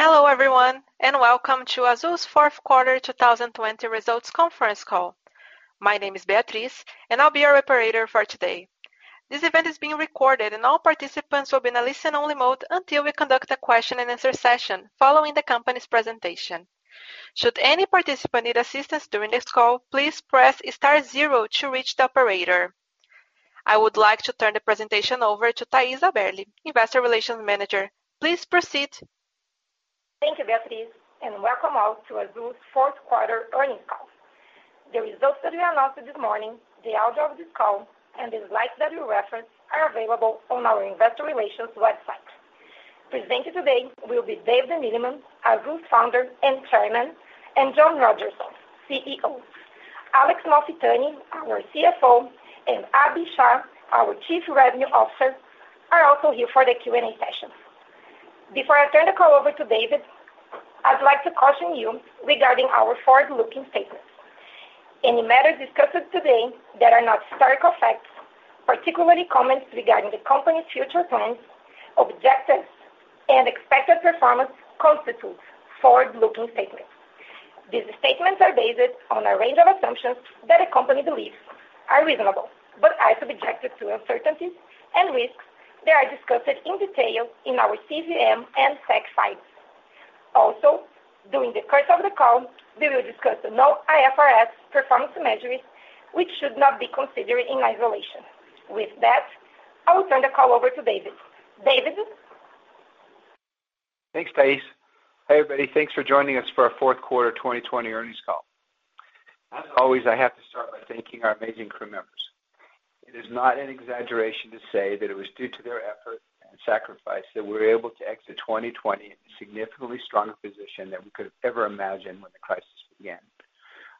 Hello everyone, and welcome to Azul's fourth quarter 2020 results conference call. My name is Beatrice, and I'll be your operator for today. This event is being recorded, and all participants will be in a listen-only mode until we conduct a question and answer session following the company's presentation. Should any participant need assistance during this call, please press star zero to reach the operator. I would like to turn the presentation over to Thais Haberli, Investor Relations Manager. Please proceed. Thank you, Beatrice, and welcome all to Azul's fourth quarter earnings call. The results that we announced this morning, the audio of this call, and the slides that we reference are available on our investor relations website. Presenting today will be David Neeleman, Azul's Founder and Chairman, and John Rodgerson, CEO. Alex Malfitani, our CFO, and Abhi Shah, our Chief Revenue Officer, are also here for the Q&A session. Before I turn the call over to David, I'd like to caution you regarding our forward-looking statements. Any matters discussed today that are not historical facts, particularly comments regarding the company's future plans, objectives, and expected performance constitute forward-looking statements. These statements are based on a range of assumptions that the company believes are reasonable, but are subjected to uncertainties and risks that are discussed in detail in our CVM and SEC filings. During the course of the call, we will discuss the non-IFRS performance measures, which should not be considered in isolation. With that, I will turn the call over to David. David? Thanks, Thais. Hey, everybody. Thanks for joining us for our fourth quarter 2020 earnings call. As always, I have to start by thanking our amazing crew members. It is not an exaggeration to say that it was due to their effort and sacrifice that we're able to exit 2020 in a significantly stronger position than we could have ever imagined when the crisis began.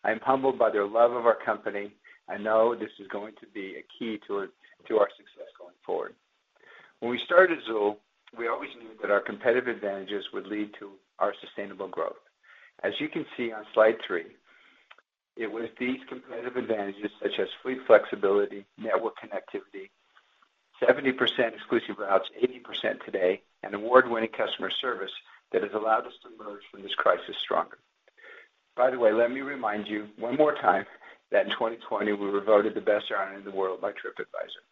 I am humbled by their love of our company, and know this is going to be a key to our success going forward. When we started Azul, we always knew that our competitive advantages would lead to our sustainable growth. As you can see on slide three, it was these competitive advantages such as fleet flexibility, network connectivity, 70% exclusive routes, 80% today, and award-winning customer service that has allowed us to emerge from this crisis stronger. By the way, let me remind you one more time that in 2020, we were voted the best airline in the world by Tripadvisor.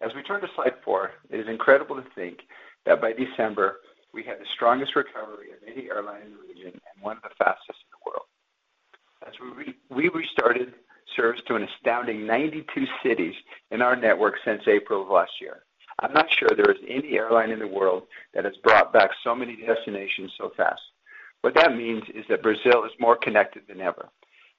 As we turn to slide four, it is incredible to think that by December, we had the strongest recovery of any airline in the region and one of the fastest in the world. As we restarted service to an astounding 92 cities in our network since April of last year. I'm not sure there is any airline in the world that has brought back so many destinations so fast. What that means is that Brazil is more connected than ever.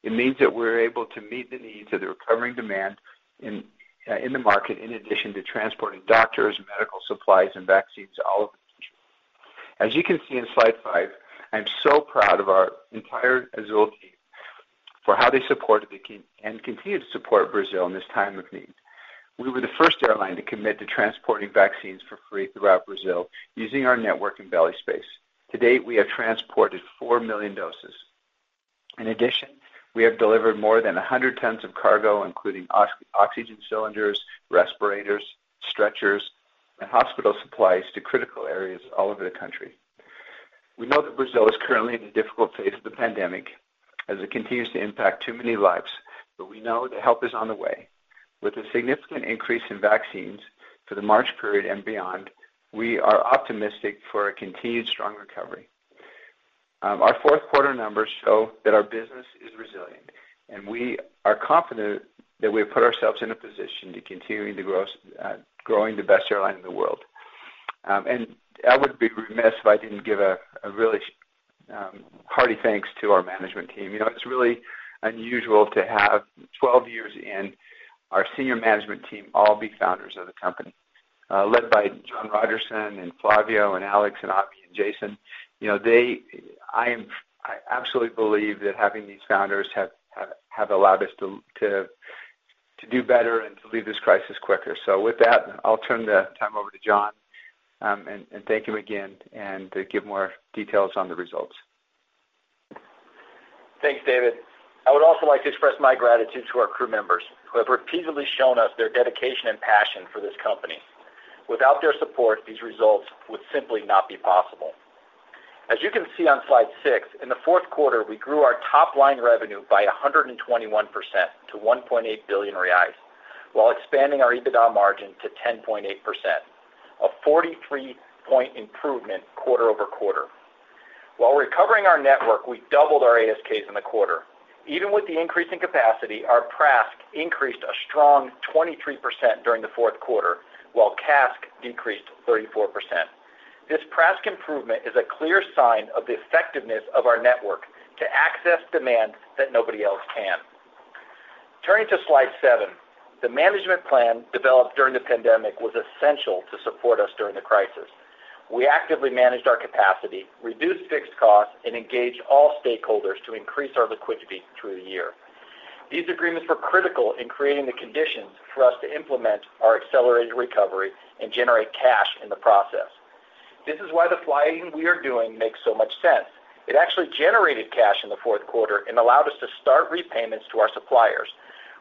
It means that we're able to meet the needs of the recovering demand in the market, in addition to transporting doctors, medical supplies, and vaccines all over the country. As you can see on slide five, I'm so proud of our entire Azul team for how they supported and continue to support Brazil in this time of need. We were the first airline to commit to transporting vaccines for free throughout Brazil using our network and belly space. To date, we have transported 4 million doses. In addition, we have delivered more than 100 tons of cargo, including oxygen cylinders, respirators, stretchers, and hospital supplies to critical areas all over the country. We know that Brazil is currently in a difficult phase of the pandemic as it continues to impact too many lives, but we know that help is on the way. With a significant increase in vaccines for the March period and beyond, we are optimistic for a continued strong recovery. Our fourth quarter numbers show that our business is resilient, we are confident that we have put ourselves in a position to continuing to growing the best airline in the world. I would be remiss if I didn't give a really hearty thanks to our management team. It's really unusual to have 12 years in our senior management team, all be founders of the company, led by John Rodgerson and Flavio and Alex and Abhi and Jason. I absolutely believe that having these founders have allowed us to do better and to leave this crisis quicker. With that, I'll turn the time over to John. Thank you again and to give more details on the results. Thanks, David. I would also like to express my gratitude to our crew members, who have repeatedly shown us their dedication and passion for this company. Without their support, these results would simply not be possible. As you can see on slide six, in the fourth quarter, we grew our top-line revenue by 121% to 1.8 billion reais, while expanding our EBITDA margin to 10.8%, a 43-point improvement quarter-over-quarter. While recovering our network, we doubled our ASKs in the quarter. Even with the increase in capacity, our PRASK increased a strong 23% during the fourth quarter, while CASK decreased 34%. This PRASK improvement is a clear sign of the effectiveness of our network to access demand that nobody else can. Turning to slide seven, the management plan developed during the pandemic was essential to support us during the crisis. We actively managed our capacity, reduced fixed costs, and engaged all stakeholders to increase our liquidity through the year. These agreements were critical in creating the conditions for us to implement our accelerated recovery and generate cash in the process. This is why the flying we are doing makes so much sense. It actually generated cash in the fourth quarter and allowed us to start repayments to our suppliers.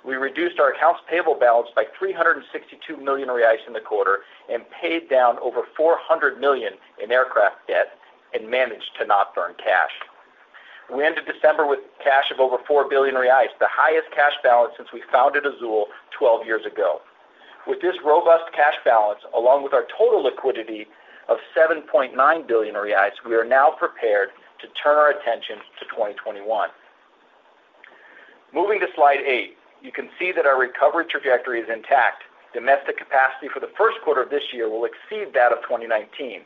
We reduced our accounts payable balance by 362 million reais in the quarter and paid down over 400 million in aircraft debt and managed to not burn cash. We ended December with cash of over 4 billion reais, the highest cash balance since we founded Azul 12 years ago. With this robust cash balance, along with our total liquidity of 7.9 billion reais, we are now prepared to turn our attention to 2021. Moving to slide eight, you can see that our recovery trajectory is intact. Domestic capacity for the first quarter of this year will exceed that of 2019.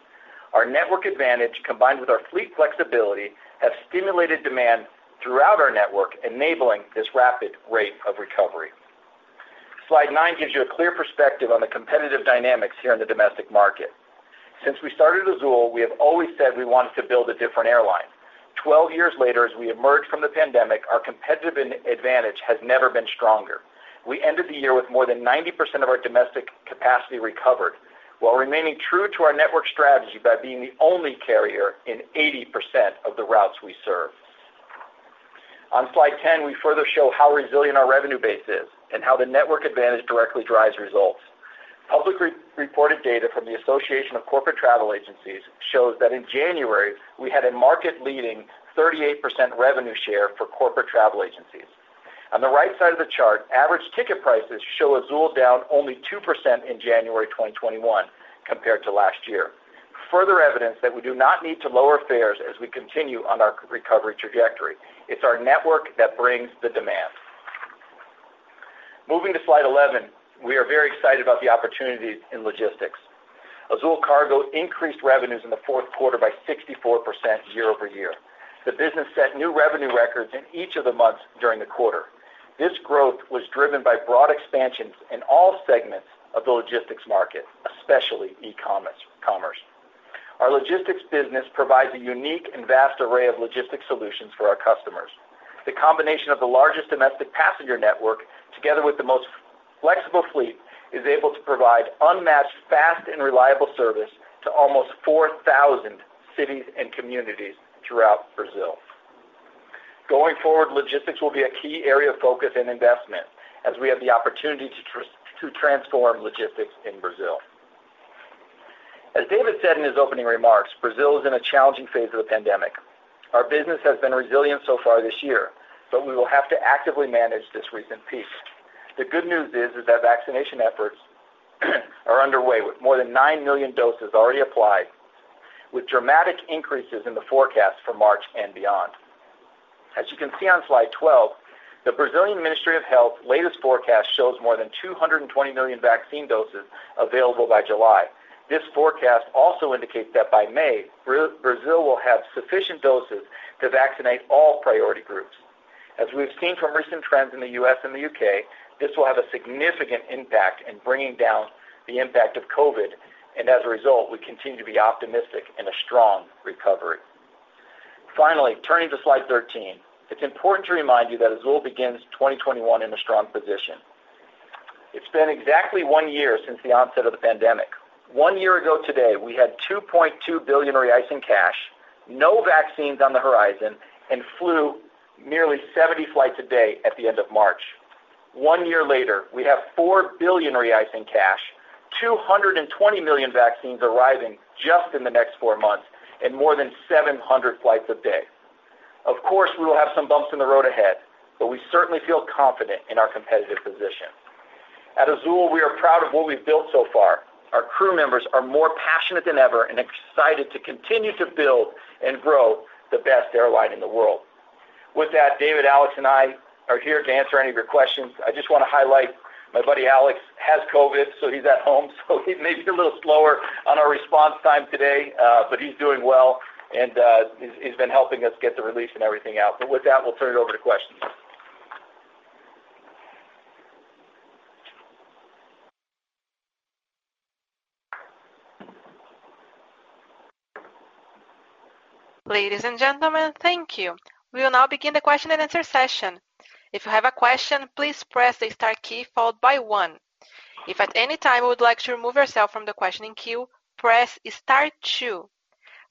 Our network advantage, combined with our fleet flexibility, have stimulated demand throughout our network, enabling this rapid rate of recovery. Slide nine gives you a clear perspective on the competitive dynamics here in the domestic market. Since we started Azul, we have always said we wanted to build a different airline. 12 years later, as we emerge from the pandemic, our competitive advantage has never been stronger. We ended the year with more than 90% of our domestic capacity recovered while remaining true to our network strategy by being the only carrier in 80% of the routes we serve. On slide 10, we further show how resilient our revenue base is and how the network advantage directly drives results. Public reported data from the Association of Corporate Travel Agencies shows that in January, we had a market-leading 38% revenue share for corporate travel agencies. On the right side of the chart, average ticket prices show Azul down only 2% in January 2021 compared to last year. Further evidence that we do not need to lower fares as we continue on our recovery trajectory. It's our network that brings the demand. Moving to slide 11, we are very excited about the opportunity in logistics. Azul Cargo increased revenues in the fourth quarter by 64% year-over-year. The business set new revenue records in each of the months during the quarter. This growth was driven by broad expansions in all segments of the logistics market, especially e-commerce. Our logistics business provides a unique and vast array of logistics solutions for our customers. The combination of the largest domestic passenger network, together with the most flexible fleet, is able to provide unmatched, fast and reliable service to almost 4,000 cities and communities throughout Brazil. Going forward, logistics will be a key area of focus and investment as we have the opportunity to transform logistics in Brazil. As David said in his opening remarks, Brazil is in a challenging phase of the pandemic. Our business has been resilient so far this year, but we will have to actively manage this recent peak. The good news is that vaccination efforts are underway with more than nine million doses already applied, with dramatic increases in the forecast for March and beyond. As you can see on slide 12, the Brazilian Ministry of Health latest forecast shows more than 220 million vaccine doses available by July. This forecast also indicates that by May, Brazil will have sufficient doses to vaccinate all priority groups. As we've seen from recent trends in the U.S. and the U.K., this will have a significant impact in bringing down the impact of COVID, and as a result, we continue to be optimistic in a strong recovery. Finally, turning to slide 13, it's important to remind you that Azul begins 2021 in a strong position. It's been exactly one year since the onset of the pandemic. One year ago today, we had 2.2 billion reais in cash, no vaccines on the horizon, and flew nearly 70 flights a day at the end of March. One year later, we have 4 billion reais in cash, 220 million vaccines arriving just in the next four months, and more than 700 flights a day. Of course, we will have some bumps in the road ahead, but we certainly feel confident in our competitive position. At Azul, we are proud of what we've built so far. Our crew members are more passionate than ever and excited to continue to build and grow the best airline in the world. With that, David, Alex, and I are here to answer any of your questions. I just want to highlight, my buddy Alex has COVID, so he's at home, so he may be a little slower on our response time today. He's doing well, and he's been helping us get the release and everything out. With that, we'll turn it over to questions. Ladies and gentlemen, thank you. We will now begin the question and answer session. If you have a question, please press the star key followed by one. If at any time you would like to remove yourself from the questioning queue, press star two.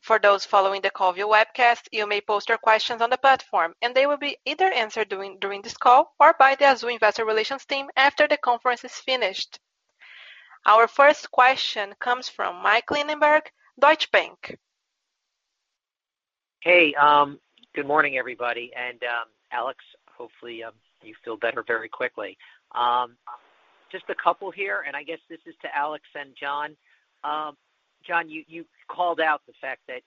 For those following the CallView webcast, you may post your questions on the platform, and they will be either answered during this call or by the Azul investor relations team after the conference is finished. Our first question comes from Mike Lindenberg, Deutsche Bank. Hey, good morning, everybody. Alex, hopefully, you feel better very quickly. Just a couple here, and I guess this is to Alex and John. John, you called out the fact that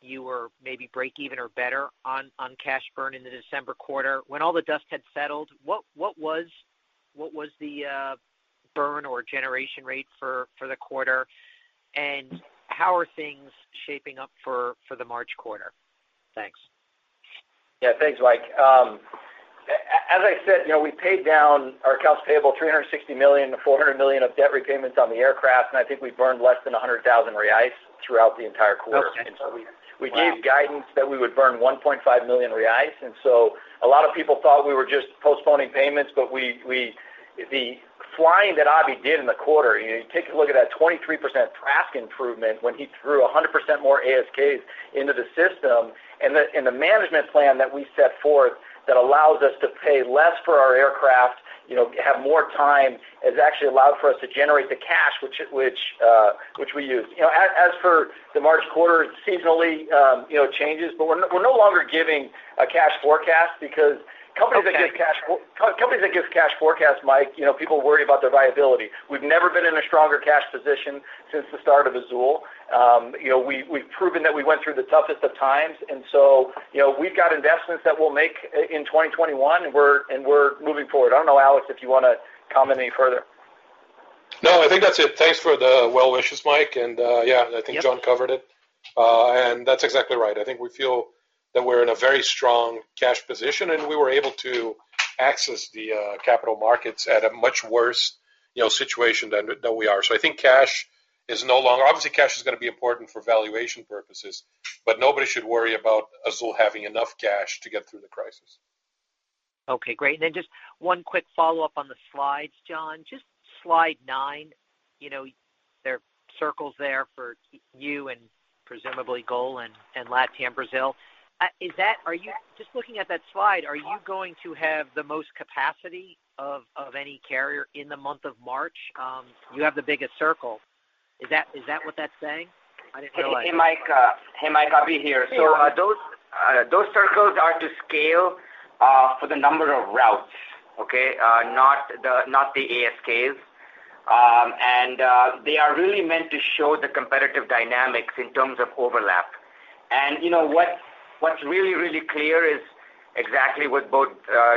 you were maybe breakeven or better on cash burn in the December quarter. When all the dust had settled, what was the burn or generation rate for the quarter? How are things shaping up for the March quarter? Thanks. Yeah, thanks, Mike. As I said, we paid down our accounts payable 360 million-400 million of debt repayments on the aircraft, and I think we burned less than 100,000 reais throughout the entire quarter. Okay. We gave guidance that we would burn 1.5 million reais, and so a lot of people thought we were just postponing payments, but we. The flying that Abhi did in the quarter, you take a look at that 23% traffic improvement when he threw 100% more ASKs into the system, and the management plan that we set forth that allows us to pay less for our aircraft, have more time, has actually allowed for us to generate the cash which we used. As for the March quarter, it seasonally changes. We're no longer giving a cash forecast because. Okay Companies that give cash forecasts, Mike, people worry about their viability. We've never been in a stronger cash position since the start of Azul. We've proven that we went through the toughest of times, and so we've got investments that we'll make in 2021, and we're moving forward. I don't know, Alex, if you want to comment any further. I think that's it. Thanks for the well wishes, Mike. I think John covered it. That's exactly right. I think we feel that we're in a very strong cash position, and we were able to access the capital markets at a much worse situation than we are. I think obviously, cash is going to be important for valuation purposes, but nobody should worry about Azul having enough cash to get through the crisis. Okay, great. Just one quick follow-up on the slides, John. Just slide nine, there are circles there for you and presumably GOL and LATAM Brazil. Just looking at that slide, are you going to have the most capacity of any carrier in the month of March? You have the biggest circle. Is that what that's saying? I didn't realize. Hey, Mike. Abhi here. Hey, Abhi. Those circles are to scale for the number of routes, okay? Not the ASKs. They are really meant to show the competitive dynamics in terms of overlap. What's really, really clear is exactly what both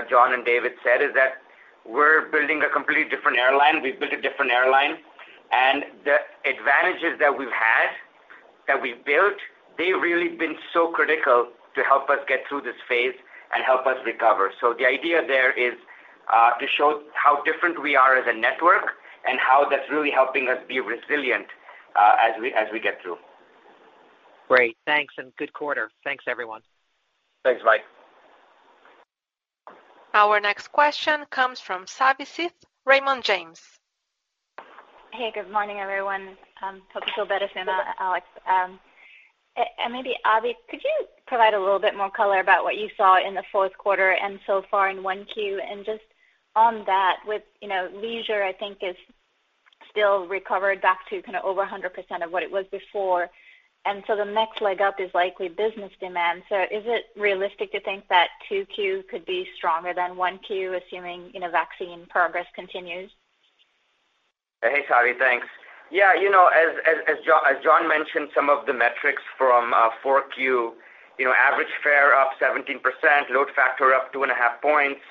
John and David said, is that we're building a completely different airline. We've built a different airline. The advantages that we've had, that we've built, they've really been so critical to help us get through this phase and help us recover. The idea there is to show how different we are as a network and how that's really helping us be resilient as we get through. Great. Thanks. Good quarter. Thanks, everyone. Thanks, Mike. Our next question comes from Savanthi Syth, Raymond James. Hey, good morning, everyone. Hope you feel better soon, Alex. Maybe, Abhi, could you provide a little bit more color about what you saw in the fourth quarter and so far in 1Q? Just on that with leisure, I think is still recovered back to kind of over 100% of what it was before, and so the next leg up is likely business demand. Is it realistic to think that 2Q could be stronger than 1Q, assuming vaccine progress continues? Hey, Savanthi. Thanks. Yeah, as John mentioned, some of the metrics from 4Q, average fare up 17%, load factor up 2.5 points,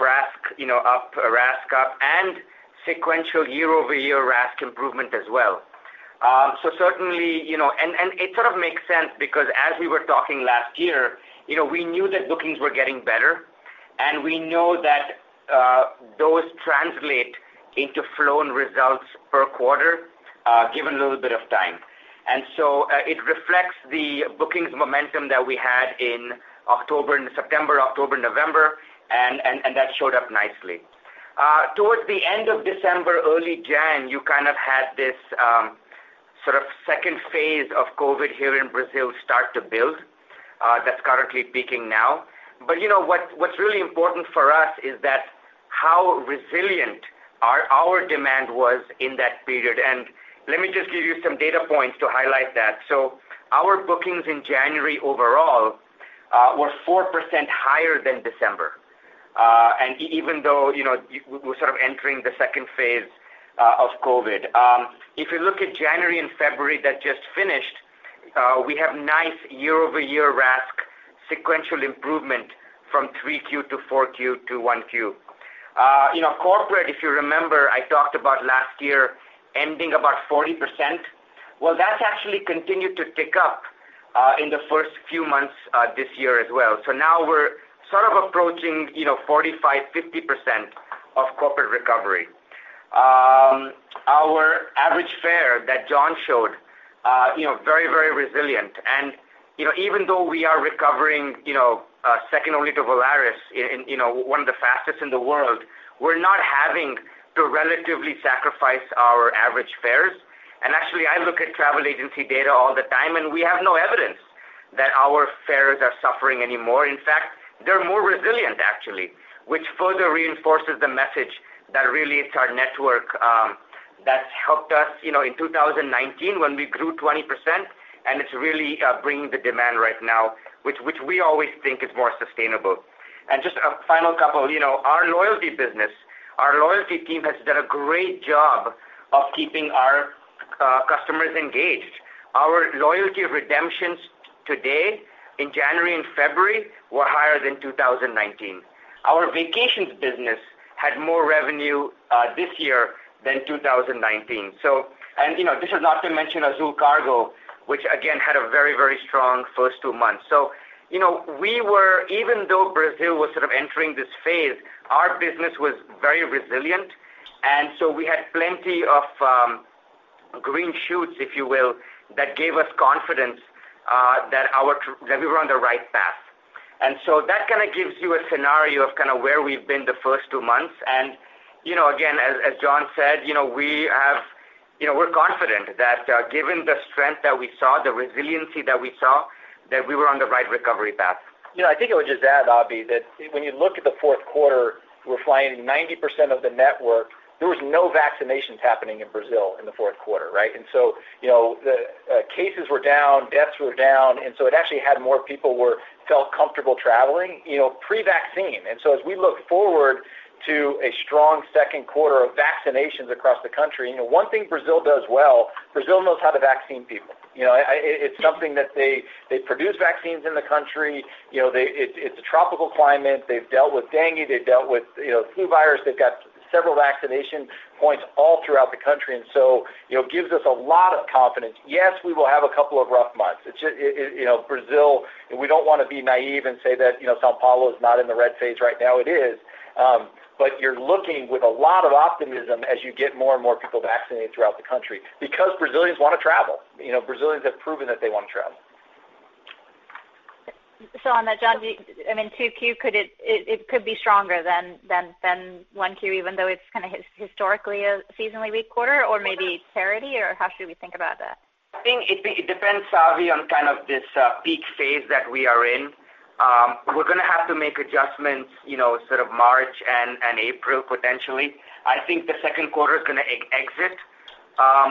RASK up, and sequential year-over-year RASK improvement as well. Certainly, and it sort of makes sense because as we were talking last year, we knew that bookings were getting better, and we know that those translate into flown results per quarter, given a little bit of time. It reflects the bookings momentum that we had in October, September, October, November, and that showed up nicely. Towards the end of December, early Jan, you kind of had this sort of second phase of COVID here in Brazil start to build. That's currently peaking now. What's really important for us is that how resilient our demand was in that period. Let me just give you some data points to highlight that. Our bookings in January overall were 4% higher than December, even though we're sort of entering the second phase of COVID. If you look at January and February that just finished, we have nice year-over-year RASK sequential improvement from 3Q to 4Q to 1Q. Corporate, if you remember, I talked about last year ending about 40%. That's actually continued to tick up in the first few months this year as well. Now we're sort of approaching 45%-50% of corporate recovery. Our average fare that John showed, very resilient. Even though we are recovering second only to Volaris in one of the fastest in the world, we're not having to relatively sacrifice our average fares. Actually, I look at travel agency data all the time, and we have no evidence that our fares are suffering anymore. In fact, they're more resilient, actually, which further reinforces the message that really it's our network that's helped us in 2019 when we grew 20%, and it's really bringing the demand right now, which we always think is more sustainable. Just a final couple, our loyalty business, our loyalty team has done a great job of keeping our customers engaged. Our loyalty redemptions today in January and February were higher than 2019. Our vacations business had more revenue this year than 2019. This is not to mention Azul Cargo, which again had a very, very strong first two months. Even though Brazil was sort of entering this phase, our business was very resilient, and so we had plenty of green shoots, if you will, that gave us confidence that we were on the right path. That kind of gives you a scenario of where we've been the first two months. Again, as John said, we're confident that given the strength that we saw, the resiliency that we saw, that we were on the right recovery path. I think I would just add, Abhi, that when you look at the fourth quarter, we're flying 90% of the network. There was no vaccinations happening in Brazil in the fourth quarter, right? The cases were down, deaths were down, and so it actually had more people felt comfortable traveling pre-vaccine. As we look forward to a strong second quarter of vaccinations across the country, one thing Brazil does well, Brazil knows how to vaccinate people. It's something that they produce vaccines in the country. It's a tropical climate. They've dealt with dengue. They've dealt with flu virus. They've got several vaccination points all throughout the country. It gives us a lot of confidence. Yes, we will have a couple of rough months. Brazil, we don't want to be naive and say that São Paulo is not in the red phase right now. It is. You're looking with a lot of optimism as you get more and more people vaccinated throughout the country because Brazilians want to travel. Brazilians have proven that they want to travel. On that, John, 2Q, it could be stronger than 1Q, even though it's kind of historically a seasonally weak quarter? Maybe parity, or how should we think about that? I think it depends, Abhi, on kind of this peak phase that we are in. We're going to have to make adjustments March and April, potentially. I think the second quarter is going to exit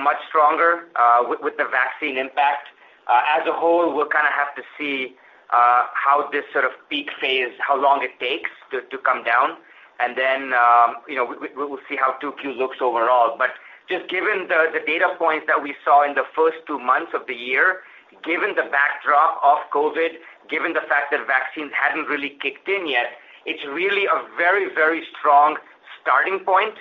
much stronger with the vaccine impact. As a whole, we'll kind of have to see how this sort of peak phase, how long it takes to come down, and then we will see how 2Q looks overall. Just given the data points that we saw in the first two months of the year, given the backdrop of COVID, given the fact that vaccines hadn't really kicked in yet, it's really a very, very strong starting point.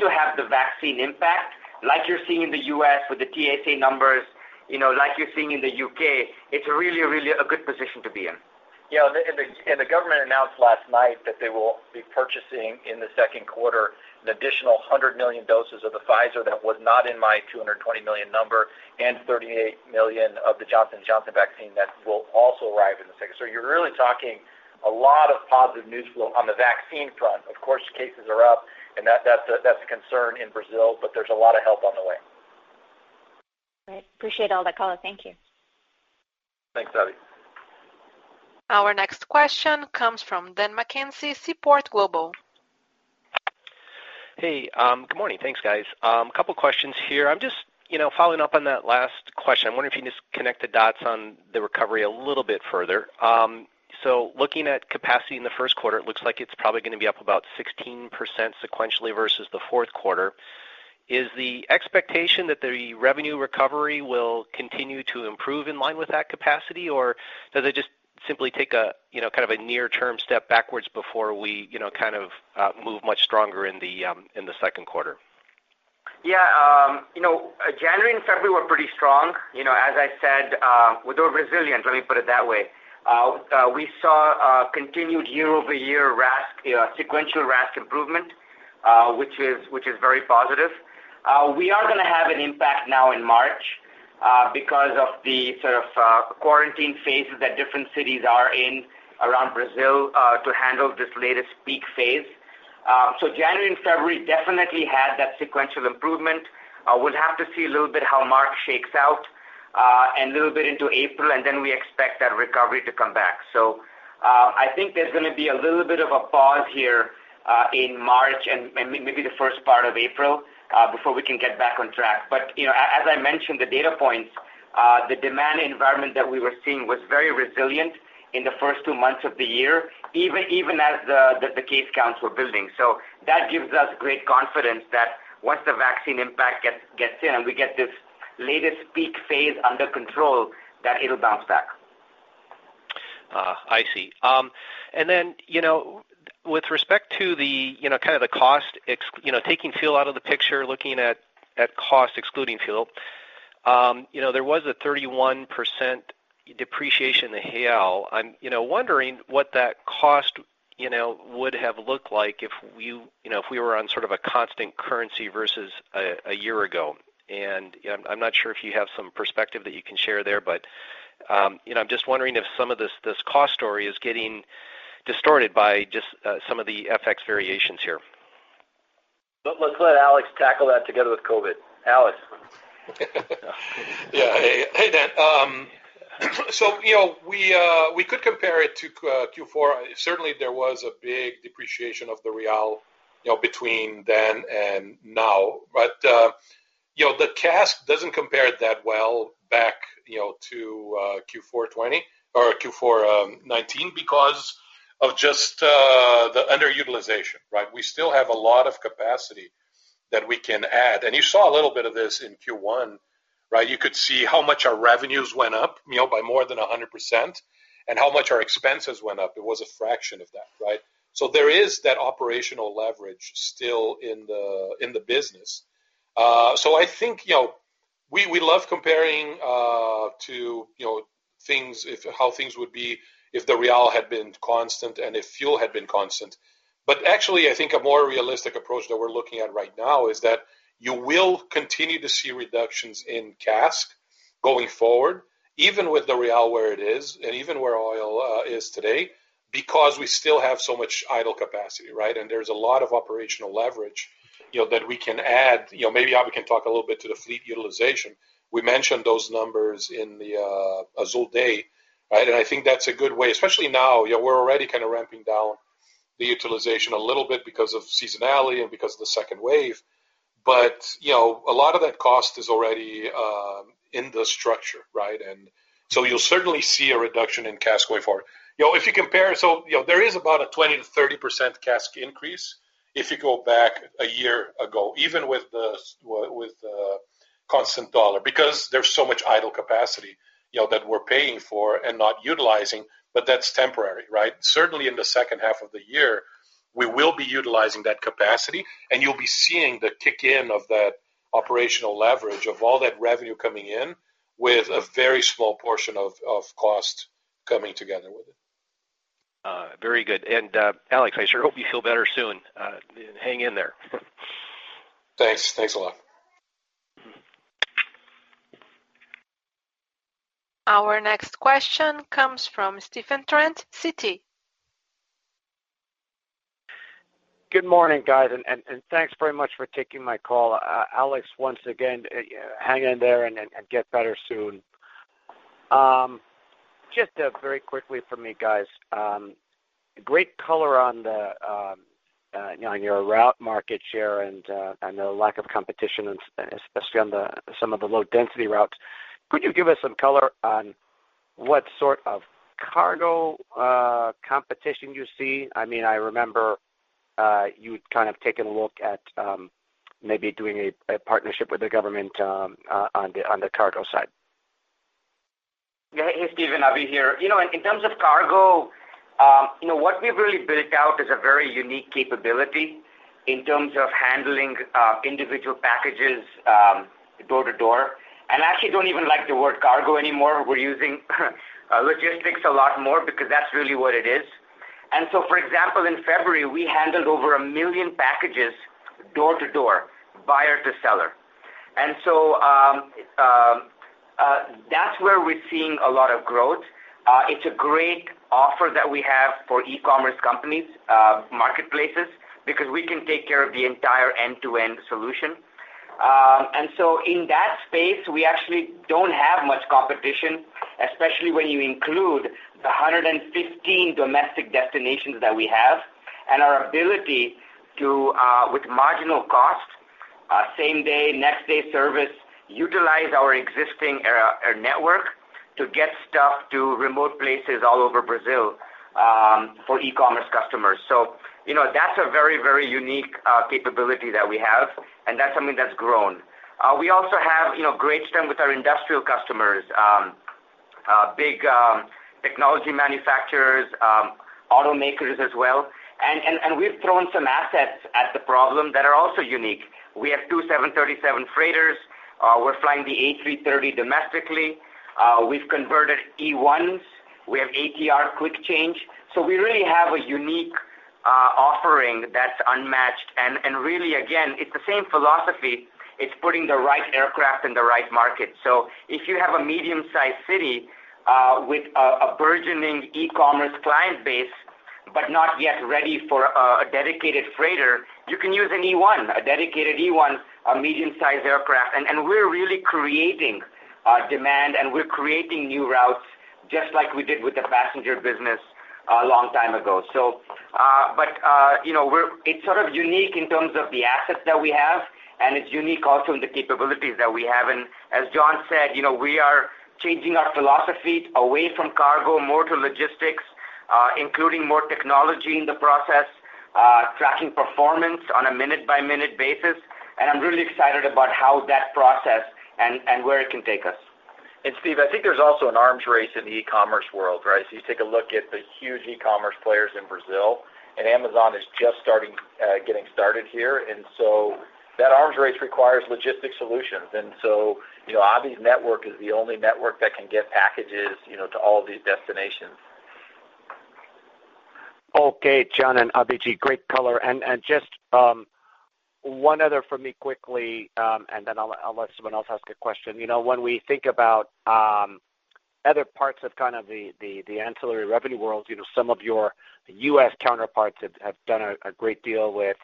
To have the vaccine impact, like you're seeing in the U.S. with the TSA numbers, like you're seeing in the U.K., it's really a good position to be in. Yeah. The government announced last night that they will be purchasing, in the second quarter, an additional 100 million doses of the Pfizer that was not in my 220 million number, and 38 million of the Johnson & Johnson vaccine that will also arrive in the second. You're really talking a lot of positive news flow on the vaccine front. Of course, cases are up, and that's a concern in Brazil, but there's a lot of help on the way. Right. Appreciate all that color. Thank you. Thanks, Savanthi. Our next question comes from Dan McKenzie, Seaport Global. Hey. Good morning. Thanks, guys. Couple questions here. I'm just following up on that last question. I'm wondering if you can just connect the dots on the recovery a little bit further. Looking at capacity in the first quarter, it looks like it's probably going to be up about 16% sequentially versus the fourth quarter. Is the expectation that the revenue recovery will continue to improve in line with that capacity, or does it just simply take a kind of a near-term step backwards before we kind of move much stronger in the second quarter? Yeah. January and February were pretty strong. We were resilient, let me put it that way. We saw continued year-over-year RASK, sequential RASK improvement, which is very positive. We are going to have an impact now in March because of the sort of quarantine phases that different cities are in around Brazil to handle this latest peak phase. January and February definitely had that sequential improvement. We'll have to see a little bit how March shakes out, and a little bit into April, and then we expect that recovery to come back. I think there's going to be a little bit of a pause here in March and maybe the first part of April before we can get back on track. As I mentioned, the data points, the demand environment that we were seeing was very resilient in the first two months of the year, even as the case counts were building. That gives us great confidence that once the vaccine impact gets in and we get this latest peak phase under control, that it'll bounce back. I see. Then, with respect to the kind of the cost, taking fuel out of the picture, looking at cost excluding fuel, there was a 31% depreciation in the BRL. I'm wondering what that cost would have looked like if we were on sort of a constant currency versus a year ago. I'm not sure if you have some perspective that you can share there, but I'm just wondering if some of this cost story is getting distorted by just some of the FX variations here. Let's let Alex tackle that together with COVID. Alex. Yeah. Hey, Dan. We could compare it to Q4. Certainly, there was a big depreciation of the BRL between then and now. The CASK doesn't compare that well back to Q4 2020 or Q4 2019 because of just the underutilization, right? We still have a lot of capacity that we can add. You saw a little bit of this in Q1, right? You could see how much our revenues went up by more than 100%, and how much our expenses went up. It was a fraction of that, right? There is that operational leverage still in the business. We love comparing to how things would be if the BRL had been constant and if fuel had been constant. Actually, I think a more realistic approach that we're looking at right now is that you will continue to see reductions in CASK going forward, even with the BRL where it is and even where oil is today, because we still have so much idle capacity, right? There's a lot of operational leverage that we can add. Maybe Abhi can talk a little bit to the fleet utilization. We mentioned those numbers in the Azul Day, right? I think that's a good way, especially now. We're already kind of ramping down the utilization a little bit because of seasonality and because of the second wave. A lot of that cost is already in the structure, right? You'll certainly see a reduction in CASK going forward. If you compare, there is about a 20%-30% CASK increase if you go back a year ago, even with the constant dollar, because there's so much idle capacity that we're paying for and not utilizing. That's temporary, right? Certainly in the second half of the year, we will be utilizing that capacity, and you'll be seeing the kick-in of that operational leverage of all that revenue coming in with a very small portion of cost coming together with it. Very good. Alex, I sure hope you feel better soon. Hang in there. Thanks. Thanks a lot. Our next question comes from Stephen Trent, Citi. Good morning, guys. Thanks very much for taking my call. Alex, once again, hang in there and get better soon. Just very quickly from me, guys. Great color on your route market share and the lack of competition, especially on some of the low-density routes. Could you give us some color on what sort of cargo competition you see? I remember you had kind of taken a look at maybe doing a partnership with the government on the cargo side. Yeah. Hey, Stephen, Abhi here. In terms of cargo, what we've really built out is a very unique capability in terms of handling individual packages door to door, and I actually don't even like the word cargo anymore. We're using logistics a lot more because that's really what it is. For example, in February, we handled over 1 million packages door to door, buyer to seller. That's where we're seeing a lot of growth. It's a great offer that we have for e-commerce companies, marketplaces, because we can take care of the entire end-to-end solution. In that space, we actually don't have much competition, especially when you include the 115 domestic destinations that we have and our ability to, with marginal cost, same day, next day service, utilize our existing network to get stuff to remote places all over Brazil for e-commerce customers. That's a very, very unique capability that we have, and that's something that's grown. We also have great strength with our industrial customers, big technology manufacturers, automakers as well, and we've thrown some assets at the problem that are also unique. We have two 737 freighters. We're flying the A330 domestically. We've converted E1s. We have ATR quick change. We really have a unique offering that's unmatched. Really, again, it's the same philosophy. It's putting the right aircraft in the right market. If you have a medium-sized city with a burgeoning e-commerce client base but not yet ready for a dedicated freighter, you can use an E1, a dedicated E1, a medium-sized aircraft. We're really creating demand, and we're creating new routes, just like we did with the passenger business a long time ago. It's sort of unique in terms of the assets that we have, and it's unique also in the capabilities that we have. As John said, we are changing our philosophy away from cargo, more to logistics, including more technology in the process, tracking performance on a minute-by-minute basis. I'm really excited about how that process and where it can take us. Steve, I think there's also an arms race in the e-commerce world, right? As you take a look at the huge e-commerce players in Brazil, and Amazon is just getting started here. So that arms race requires logistic solutions. So Abhi's network is the only network that can get packages to all these destinations. Okay, John and Abhi, great color. Just one other for me quickly, and then I'll let someone else ask a question. When we think about other parts of kind of the ancillary revenue world, some of your U.S. counterparts have done a great deal with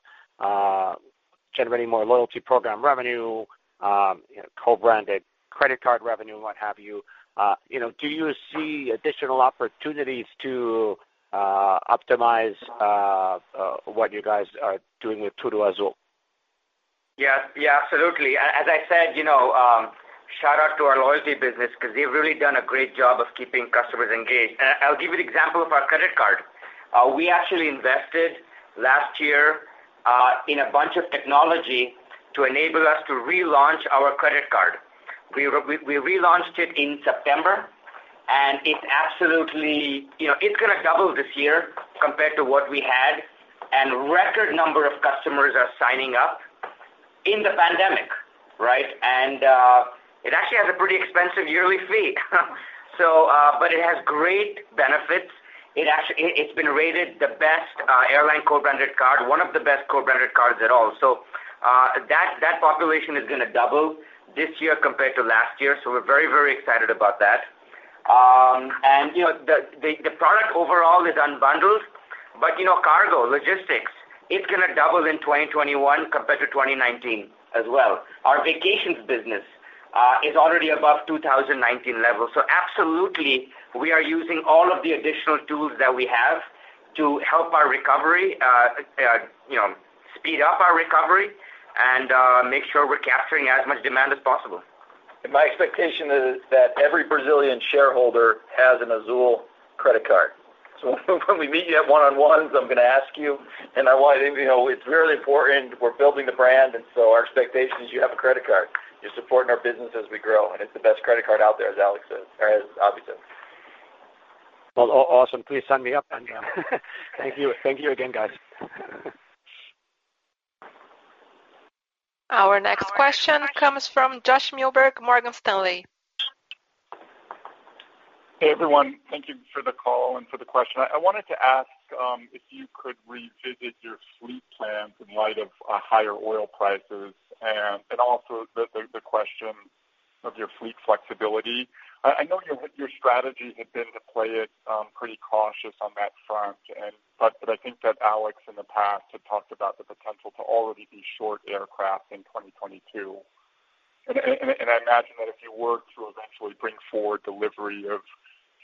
generating more loyalty program revenue, co-branded credit card revenue, what have you. Do you see additional opportunities to optimize what you guys are doing with TudoAzul? Yeah, absolutely. As I said, shout out to our loyalty business because they've really done a great job of keeping customers engaged. I'll give you an example of our credit card. We actually invested last year in a bunch of technology to enable us to relaunch our credit card. We relaunched it in September. It's going to double this year compared to what we had, and record number of customers are signing up in the pandemic. It actually has a pretty expensive yearly fee, but it has great benefits. It's been rated the best airline co-branded card, one of the best co-branded cards at all. That population is going to double this year compared to last year. We're very excited about that. The product overall is unbundled, but cargo, logistics, it's going to double in 2021 compared to 2019 as well. Our vacations business is already above 2019 levels. Absolutely, we are using all of the additional tools that we have to help our recovery, speed up our recovery, and make sure we're capturing as much demand as possible. My expectation is that every Brazilian shareholder has an Azul credit card. When we meet you at one-on-ones, I'm going to ask you, and it's really important. We're building the brand, our expectation is you have a credit card. You're supporting our business as we grow, and it's the best credit card out there, as Alex says, or as Abhi says. Well, awesome. Please sign me up. Thank you again, guys. Our next question comes from Josh Milberg, Morgan Stanley. Hey, everyone. Thank you for the call and for the question. I wanted to ask if you could revisit your fleet plans in light of higher oil prices and also the question of your fleet flexibility. I know your strategy had been to play it pretty cautious on that front, but I think that Alex, in the past, had talked about the potential to already be short aircraft in 2022. I imagine that if you were to eventually bring forward delivery of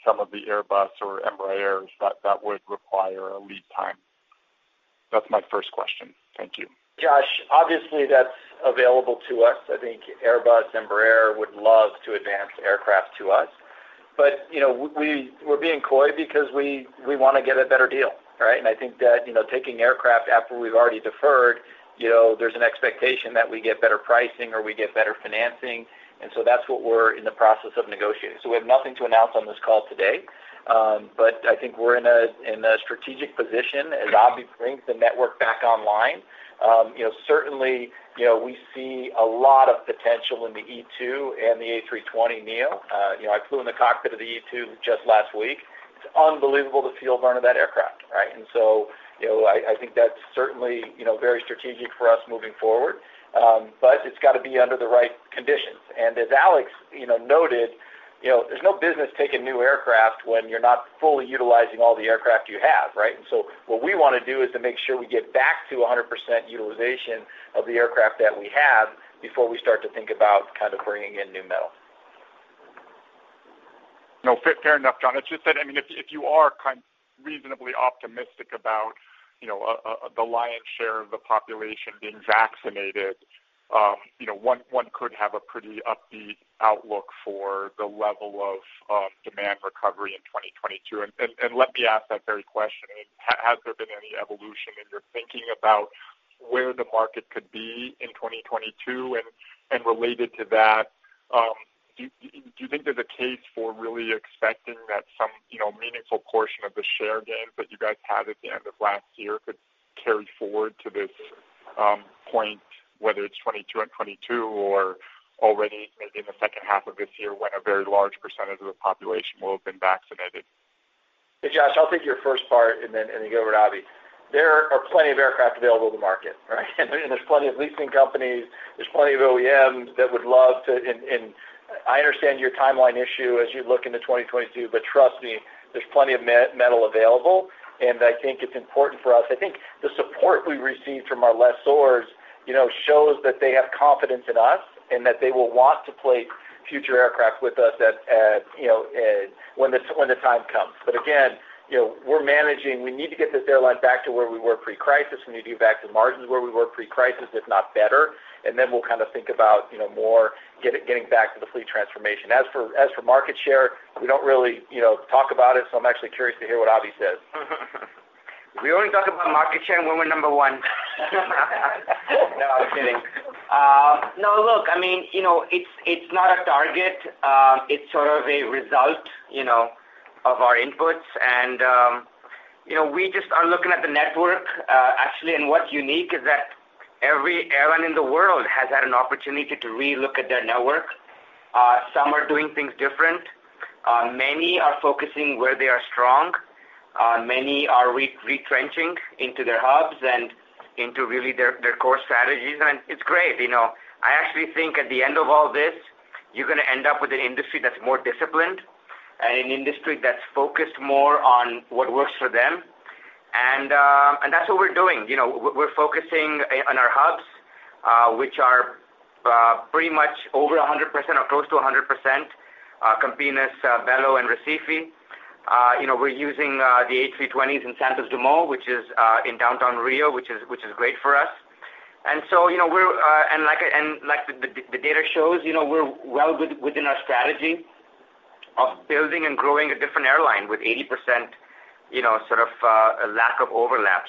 some of the Airbus or Embraers, that that would require a lead time. That's my first question. Thank you. Josh, obviously, that's available to us. I think Airbus, Embraer would love to advance aircraft to us. We're being coy because we want to get a better deal. I think that taking aircraft after we've already deferred, there's an expectation that we get better pricing or we get better financing. That's what we're in the process of negotiating. We have nothing to announce on this call today. I think we're in a strategic position as Abhi brings the network back online. Certainly, we see a lot of potential in the E2 and the A320neo. I flew in the cockpit of the E2 just last week. It's unbelievable to feel one of that aircraft. I think that's certainly very strategic for us moving forward. It's got to be under the right conditions. As Alex noted, there's no business taking new aircraft when you're not fully utilizing all the aircraft you have. What we want to do is to make sure we get back to 100% utilization of the aircraft that we have before we start to think about bringing in new metal. No, fair enough, John. It's just that if you are reasonably optimistic about the lion's share of the population being vaccinated, one could have a pretty upbeat outlook for the level of demand recovery in 2022. Let me ask that very question. Has there been any evolution in your thinking about where the market could be in 2022? Related to that, do you think there's a case for really expecting that some meaningful portion of the share gains that you guys had at the end of last year could carry forward to this point, whether it's 2022 or already maybe in the second half of this year when a very large percentage of the population will have been vaccinated? Hey, Josh, I'll take your first part and then go over to Abhi. There are plenty of aircraft available in the market, right? There's plenty of leasing companies, there's plenty of OEMs that would love to. I understand your timeline issue as you look into 2022, but trust me, there's plenty of metal available, and I think it's important for us. I think the support we received from our lessors shows that they have confidence in us and that they will want to place future aircraft with us when the time comes. Again, we're managing. We need to get this airline back to where we were pre-crisis. We need to get back to margins where we were pre-crisis, if not better, then we'll think about more getting back to the fleet transformation. As for market share, we don't really talk about it, so I'm actually curious to hear what Abhi says. We only talk about market share when we're number one. No, I'm kidding. Look, it's not a target. It's sort of a result of our inputs. We just are looking at the network, actually, and what's unique is that every airline in the world has had an opportunity to relook at their network. Some are doing things different. Many are focusing where they are strong. Many are retrenching into their hubs and into really their core strategies, and it's great. I actually think at the end of all this, you're going to end up with an industry that's more disciplined and an industry that's focused more on what works for them, and that's what we're doing. We're focusing on our hubs, which are pretty much over 100% or close to 100%, Campinas, Belo, and Recife. We're using the A320s in Santos Dumont, which is in downtown Rio, which is great for us. Like the data shows, we're well within our strategy of building and growing an airline with 80% sort of lack of overlap.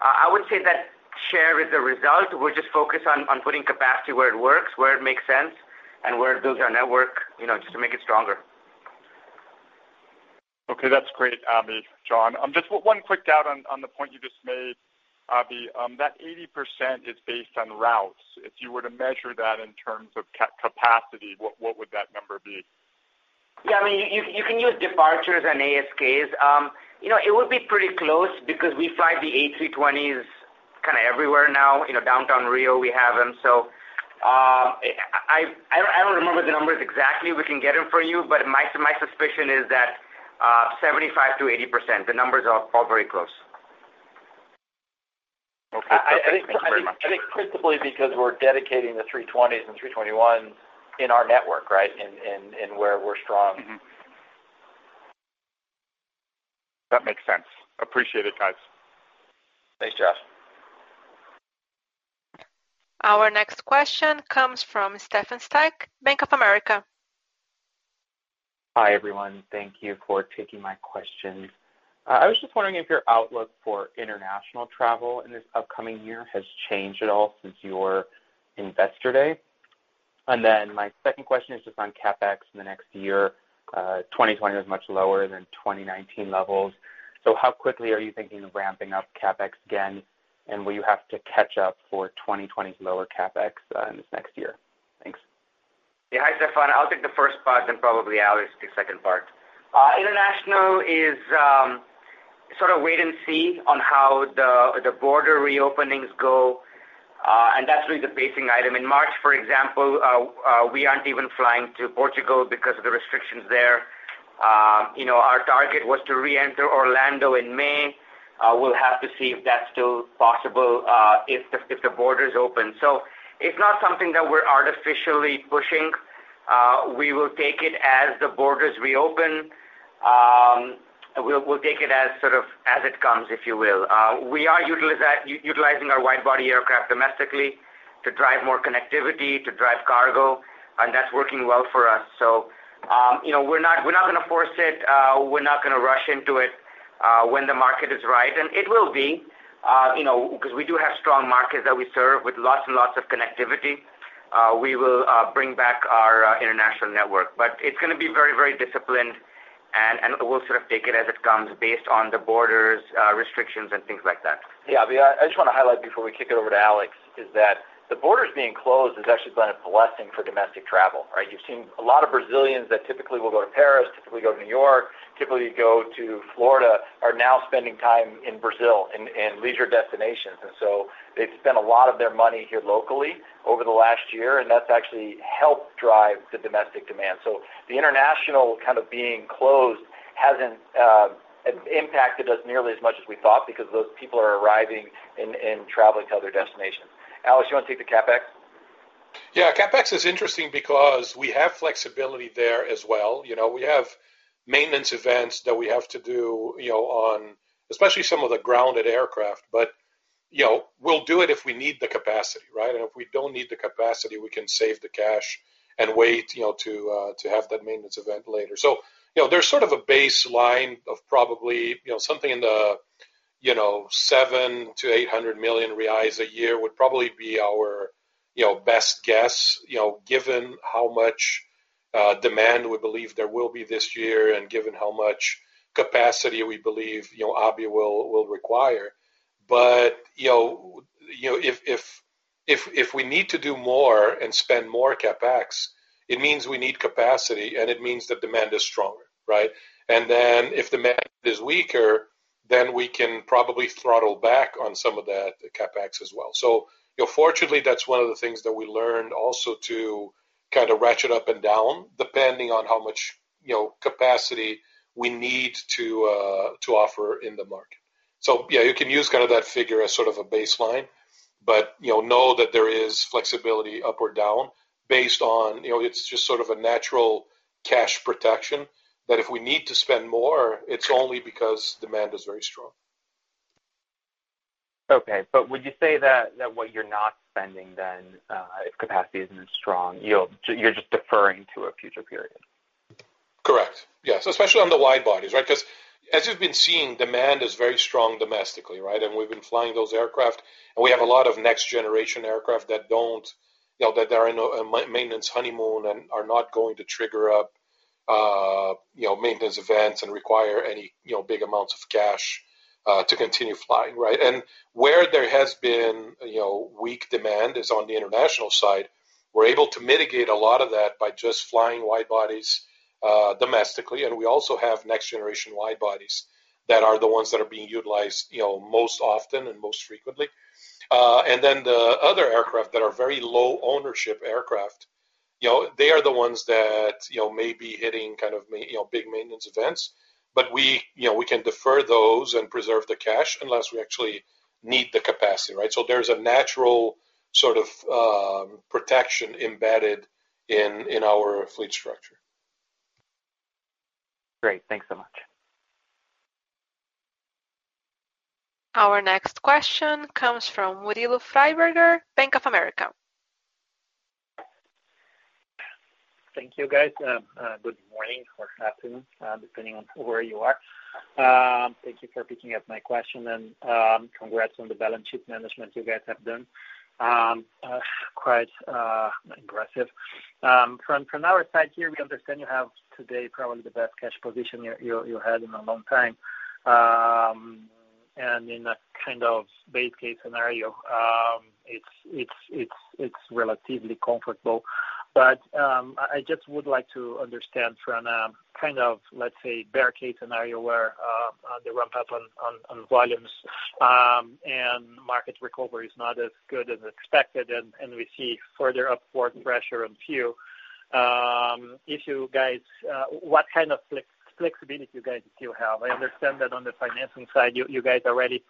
I would say that share is a result. We're just focused on putting capacity where it works, where it makes sense, and where it builds our network just to make it stronger. Okay, that's great, Abhi, John. Just one quick doubt on the point you just made, Abhi, that 80% is based on routes. If you were to measure that in terms of capacity, what would that number be? Yeah, you can use departures and ASKs. It would be pretty close because we fly the A320s kind of everywhere now. Downtown Rio, we have them. I don't remember the numbers exactly. We can get them for you, but my suspicion is that 75%-80%. The numbers are all very close. Okay. Perfect. Thank you very much. I think principally because we're dedicating the A320s and A321 in our network, right? In where we're strong. Mm-hmm. That makes sense. Appreciate it, guys. Thanks, Josh. Our next question comes from Stefan Styk, Bank of America. Hi, everyone. Thank you for taking my questions. I was just wondering if your outlook for international travel in this upcoming year has changed at all since your Investor Day. My second question is just on CapEx in the next year. 2020 was much lower than 2019 levels. How quickly are you thinking of ramping up CapEx again? Will you have to catch up for 2020's lower CapEx in this next year? Thanks. Hi, Stefan. I'll take the first part, then probably Alex will take the second part. International is sort of wait and see on how the border reopenings go, and that's really the pacing item. In March, for example, we aren't even flying to Portugal because of the restrictions there. Our target was to reenter Orlando in May. We'll have to see if that's still possible if the borders open. It's not something that we're artificially pushing. We will take it as the borders reopen. We'll take it as it comes, if you will. We are utilizing our wide-body aircraft domestically to drive more connectivity, to drive cargo, and that's working well for us. We're not going to force it. We're not going to rush into it when the market is right, and it will be because we do have strong markets that we serve with lots and lots of connectivity. We will bring back our international network. It's going to be very disciplined, and we'll sort of take it as it comes based on the borders restrictions and things like that. Abhi, I just want to highlight before we kick it over to Alex, is that the borders being closed has actually been a blessing for domestic travel, right? You've seen a lot of Brazilians that typically will go to Paris, typically go to New York, typically go to Florida, are now spending time in Brazil in leisure destinations. They've spent a lot of their money here locally over the last year, and that's actually helped drive the domestic demand. The international kind of being closed hasn't impacted us nearly as much as we thought because those people are arriving and traveling to other destinations. Alex, you want to take the CapEx? CapEx is interesting because we have flexibility there as well. We have maintenance events that we have to do on especially some of the grounded aircraft, we'll do it if we need the capacity, right? If we don't need the capacity, we can save the cash and wait to have that maintenance event later. There's sort of a baseline of probably something in the 700 million-800 million reais a year would probably be our best guess given how much demand we believe there will be this year and given how much capacity we believe Abhi will require. If we need to do more and spend more CapEx, it means we need capacity, it means that demand is stronger, right? If demand is weaker, then we can probably throttle back on some of that CapEx as well. Fortunately, that's one of the things that we learned also to kind of ratchet up and down depending on how much capacity we need to offer in the market. Yeah, you can use that figure as sort of a baseline, but know that there is flexibility up or down. It's just sort of a natural cash protection, that if we need to spend more, it's only because demand is very strong. Okay. Would you say that what you're not spending then if capacity isn't strong, you're just deferring to a future period? Correct. Yes, especially on the wide bodies, right? As you've been seeing, demand is very strong domestically, right? We've been flying those aircraft, and we have a lot of next-generation aircraft that are in a maintenance honeymoon and are not going to trigger up maintenance events and require any big amounts of cash to continue flying, right? Where there has been weak demand is on the international side. We're able to mitigate a lot of that by just flying wide bodies domestically, and we also have next-generation wide bodies that are the ones that are being utilized most often and most frequently. The other aircraft that are very low ownership aircraft, they are the ones that may be hitting kind of big maintenance events, but we can defer those and preserve the cash unless we actually need the capacity, right? There's a natural sort of protection embedded in our fleet structure. Great. Thanks so much. Our next question comes from Murilo Freiberger, Bank of America. Thank you, guys. Good morning or afternoon, depending on where you are. Thank you for picking up my question. Congrats on the balance sheet management you guys have done. Quite impressive. From our side here, we understand you have today probably the best cash position you had in a long time. In a kind of base case scenario, it's relatively comfortable. I just would like to understand from a kind of, let's say, bear case scenario, where the ramp-up on volumes and market recovery is not as good as expected, and we see further upward pressure on fuel. What kind of flexibility you guys still have? I understand that on the financing side, you guys already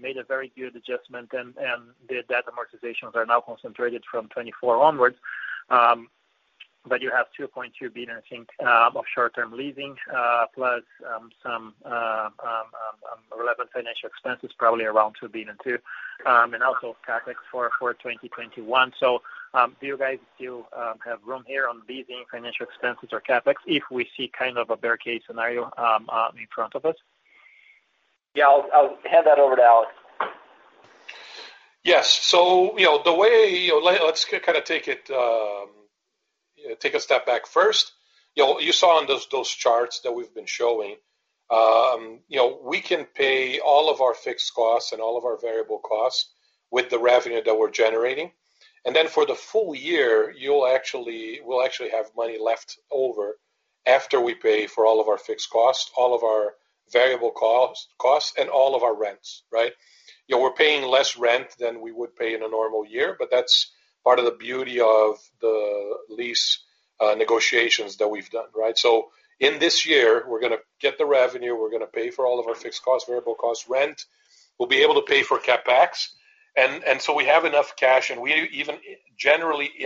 made a very good adjustment, and the debt amortizations are now concentrated from 2024 onwards. You have 2.2 billion, I think, of short-term leasing, plus some relevant financial expenses, probably around 2 billion too, and also CapEx for 2021. Do you guys still have room here on leasing financial expenses or CapEx if we see kind of a bear case scenario in front of us? Yeah. I'll hand that over to Alex. Yes. Let's take a step back first. You saw on those charts that we've been showing, we can pay all of our fixed costs and all of our variable costs with the revenue that we're generating. For the full year, we'll actually have money left over after we pay for all of our fixed costs, all of our variable costs, and all of our rents, right? We're paying less rent than we would pay in a normal year, but that's part of the beauty of the lease negotiations that we've done, right? In this year, we're going to get the revenue. We're going to pay for all of our fixed costs, variable costs, rent. We'll be able to pay for CapEx. We have enough cash, and we generate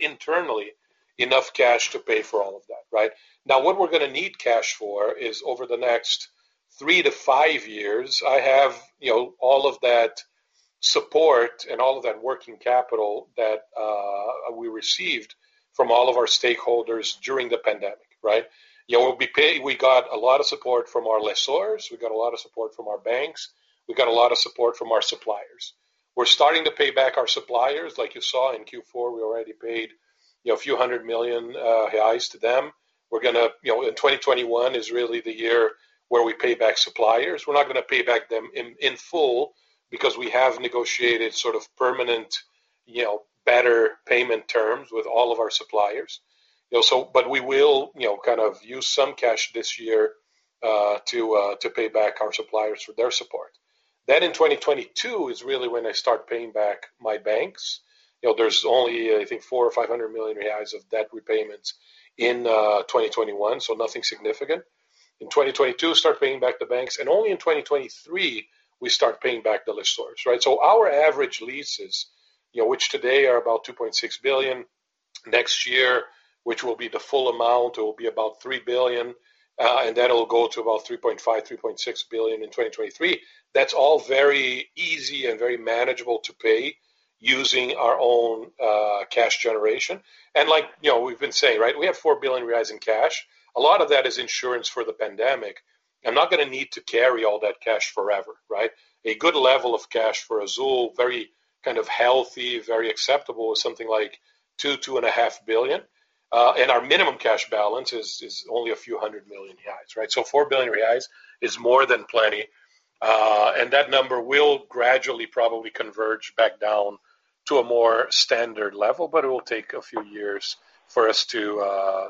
internally enough cash to pay for all of that, right? Now, what we're going to need cash for is over the next three to five years, I have all of that support and all of that working capital that we received from all of our stakeholders during the pandemic, right? We got a lot of support from our lessors. We got a lot of support from our banks. We got a lot of support from our suppliers. We're starting to pay back our suppliers. Like you saw in Q4, we already paid a few hundred million BRL to them. In 2021 is really the year where we pay back suppliers. We're not going to pay back them in full because we have negotiated sort of permanent better payment terms with all of our suppliers. We will use some cash this year to pay back our suppliers for their support. In 2022 is really when I start paying back my banks. There's only, I think, four or 500 million reais of debt repayments in 2021, so nothing significant. In 2022, start paying back the banks. Only in 2023, we start paying back the lessors, right? Our average leases, which today are about 2.6 billion next year, which will be the full amount, it will be about 3 billion, then it will go to about 3.5 billion-3.6 billion in 2023. That's all very easy and very manageable to pay using our own cash generation. Like we've been saying, right, we have 4 billion reais in cash. A lot of that is insurance for the pandemic. I'm not going to need to carry all that cash forever, right? A good level of cash for Azul, very kind of healthy, very acceptable, is something like 2 billion-2.5 billion. Our minimum cash balance is only a few hundred million BRL, right? 4 billion reais is more than plenty. That number will gradually probably converge back down to a more standard level, but it will take a few years for us to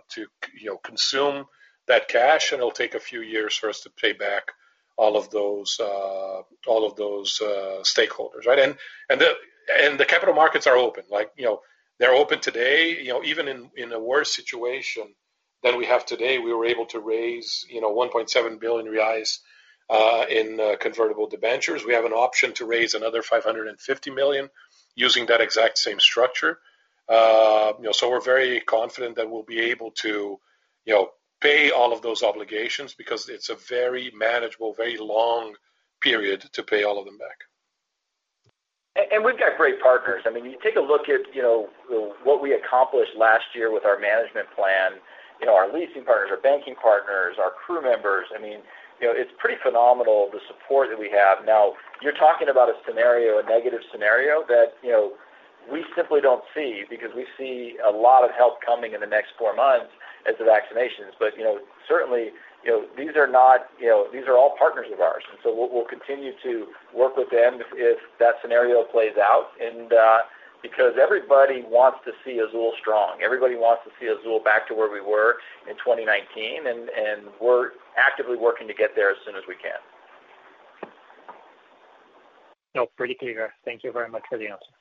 consume that cash, and it'll take a few years for us to pay back all of those stakeholders, right? The capital markets are open. They're open today. Even in a worse situation than we have today, we were able to raise 1.7 billion reais in convertible debentures. We have an option to raise another 550 million using that exact same structure. We're very confident that we'll be able to pay all of those obligations because it's a very manageable, very long period to pay all of them back. We've got great partners. You take a look at what we accomplished last year with our management plan, our leasing partners, our banking partners, our crew members. It's pretty phenomenal the support that we have. You're talking about a scenario, a negative scenario that we simply don't see because we see a lot of help coming in the next four months as the vaccinations. Certainly, these are all partners of ours, and so we'll continue to work with them if that scenario plays out. Because everybody wants to see Azul strong, everybody wants to see Azul back to where we were in 2019, and we're actively working to get there as soon as we can. No, pretty clear. Thank you very much for the answer.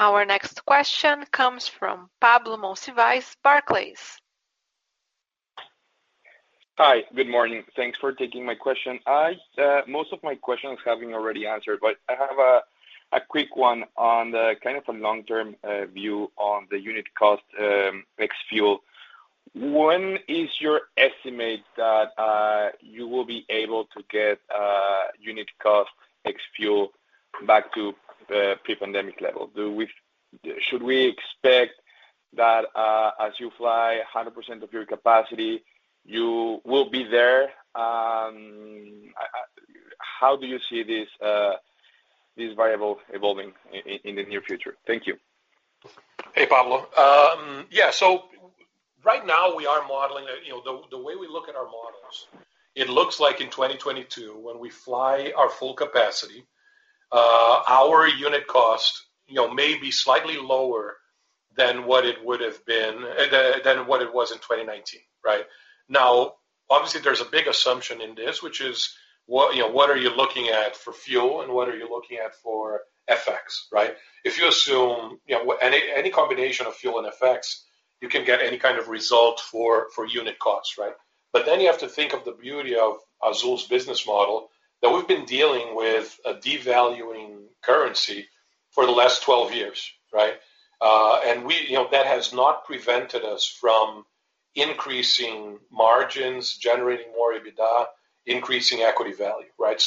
Our next question comes from Pablo Monsivais, Barclays. Hi. Good morning. Thanks for taking my question. Most of my questions have been already answered, but I have a quick one on a long-term view on the unit cost ex-fuel. When is your estimate that you will be able to get unit cost ex-fuel back to pre-pandemic level? Should we expect that as you fly 100% of your capacity, you will be there? How do you see this variable evolving in the near future? Thank you. Hey, Pablo. Yeah. Right now, the way we look at our models, it looks like in 2022, when we fly our full capacity, our unit cost may be slightly lower than what it was in 2019, right? Obviously, there's a big assumption in this, which is, what are you looking at for fuel, and what are you looking at for FX, right? If you assume any combination of fuel and FX, you can get any kind of result for unit cost, right? You have to think of the beauty of Azul's business model, that we've been dealing with a devaluing currency for the last 12 years, right? That has not prevented us from increasing margins, generating more EBITDA, increasing equity value, right?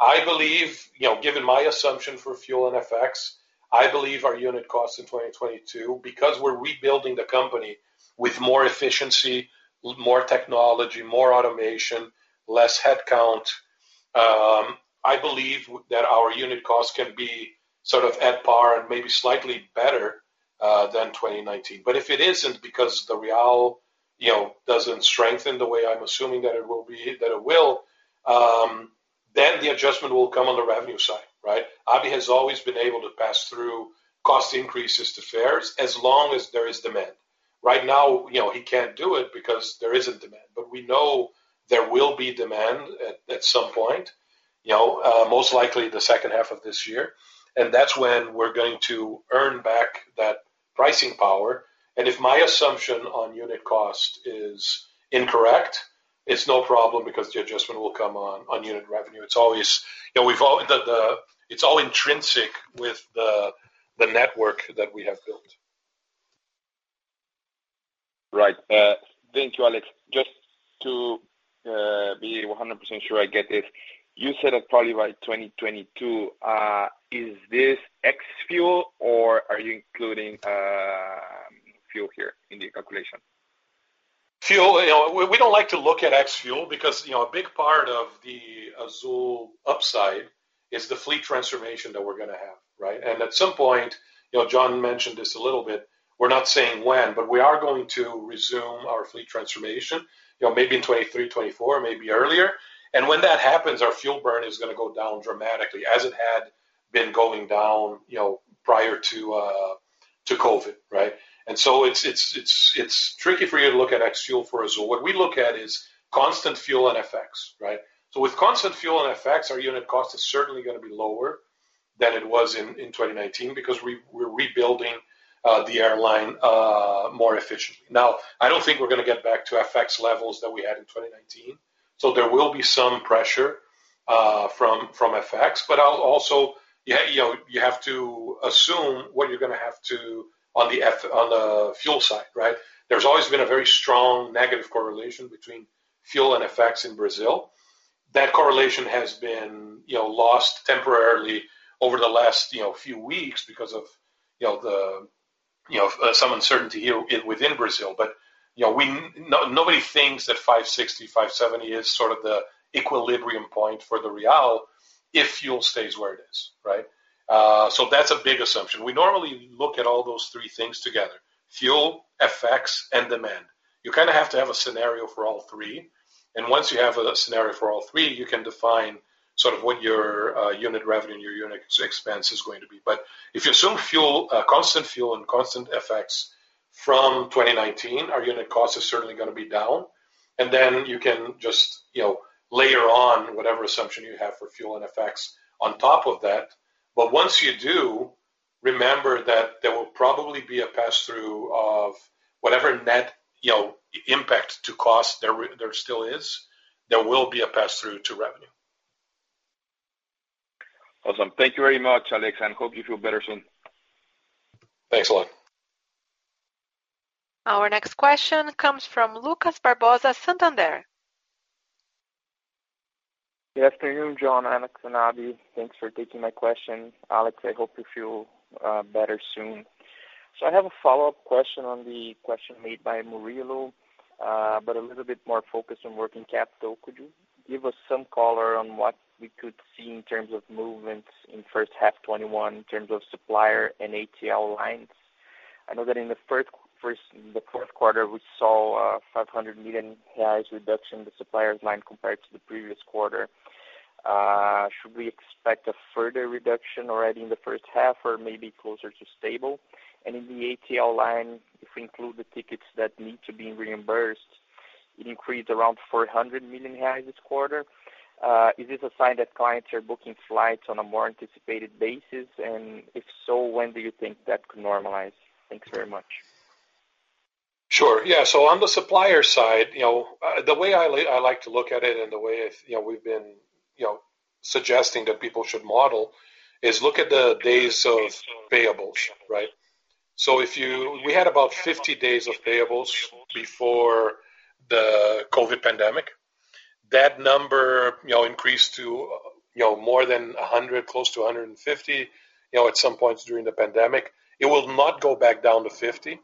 I believe, given my assumption for fuel and FX, I believe our unit cost in 2022, because we're rebuilding the company with more efficiency, more technology, more automation, less headcount, I believe that our unit cost can be sort of at par and maybe slightly better than 2019. If it isn't because the BRL doesn't strengthen the way I'm assuming that it will, then the adjustment will come on the revenue side, right? Abhi has always been able to pass through cost increases to fares as long as there is demand. Right now, he can't do it because there isn't demand. We know there will be demand at some point, most likely the second half of this year, and that's when we're going to earn back that pricing power. If my assumption on unit cost is incorrect, it's no problem because the adjustment will come on unit revenue. It's all intrinsic with the network that we have built. Right. Thank you, Alex. Just to be 100% sure I get this, you said that probably by 2022. Is this ex-fuel, or are you including fuel here in the calculation? Fuel, we don't like to look at ex-fuel because, a big part of the Azul upside is the fleet transformation that we're going to have, right? At some point, John mentioned this a little bit, we're not saying when, but we are going to resume our fleet transformation, maybe in 2023, 2024, maybe earlier. When that happens, our fuel burn is going to go down dramatically as it had been going down prior to COVID, right? It's tricky for you to look at ex-fuel for Azul. What we look at is constant fuel and FX, right? With constant fuel and FX, our unit cost is certainly going to be lower than it was in 2019 because we're rebuilding the airline more efficiently. I don't think we're going to get back to FX levels that we had in 2019. There will be some pressure from FX. Also, you have to assume what you're going to have to on the fuel side, right? There's always been a very strong negative correlation between fuel and FX in Brazil. That correlation has been lost temporarily over the last few weeks because of some uncertainty within Brazil. Nobody thinks that 560, 570 is sort of the equilibrium point for the BRL if fuel stays where it is, right? That's a big assumption. We normally look at all those three things together, fuel, FX, and demand. You kind of have to have a scenario for all three. Once you have a scenario for all three, you can define sort of what your unit revenue and your unit expense is going to be. If you assume constant fuel and constant FX from 2019, our unit cost is certainly going to be down, and then you can just layer on whatever assumption you have for fuel and FX on top of that. Once you do, remember that there will probably be a pass-through of whatever net impact to cost there still is. There will be a pass-through to revenue. Awesome. Thank you very much, Alex. Hope you feel better soon. Thanks a lot. Our next question comes from Lucas Barbosa, Santander. Good afternoon, John, Alex, and Abhi. Thanks for taking my question. Alex, I hope you feel better soon. I have a follow-up question on the question made by Murilo, but a little bit more focused on working capital. Could you give us some color on what we could see in terms of movements in first half 2021 in terms of supplier and ATR lines? I know that in the fourth quarter, we saw 500 million reais reduction in the suppliers line compared to the previous quarter. Should we expect a further reduction already in the first half or maybe closer to stable? In the ATR line, if we include the tickets that need to be reimbursed, it increased around 400 million reais this quarter. Is this a sign that clients are booking flights on a more anticipated basis, and if so, when do you think that could normalize? Thanks very much. Sure. Yeah. On the supplier side, the way I like to look at it and the way we've been suggesting that people should model is look at the days of payables, right? We had about 50 days of payables before the COVID pandemic. That number increased to more than 100 days, close to 150 days, at some points during the pandemic. It will not go back down to 50 days.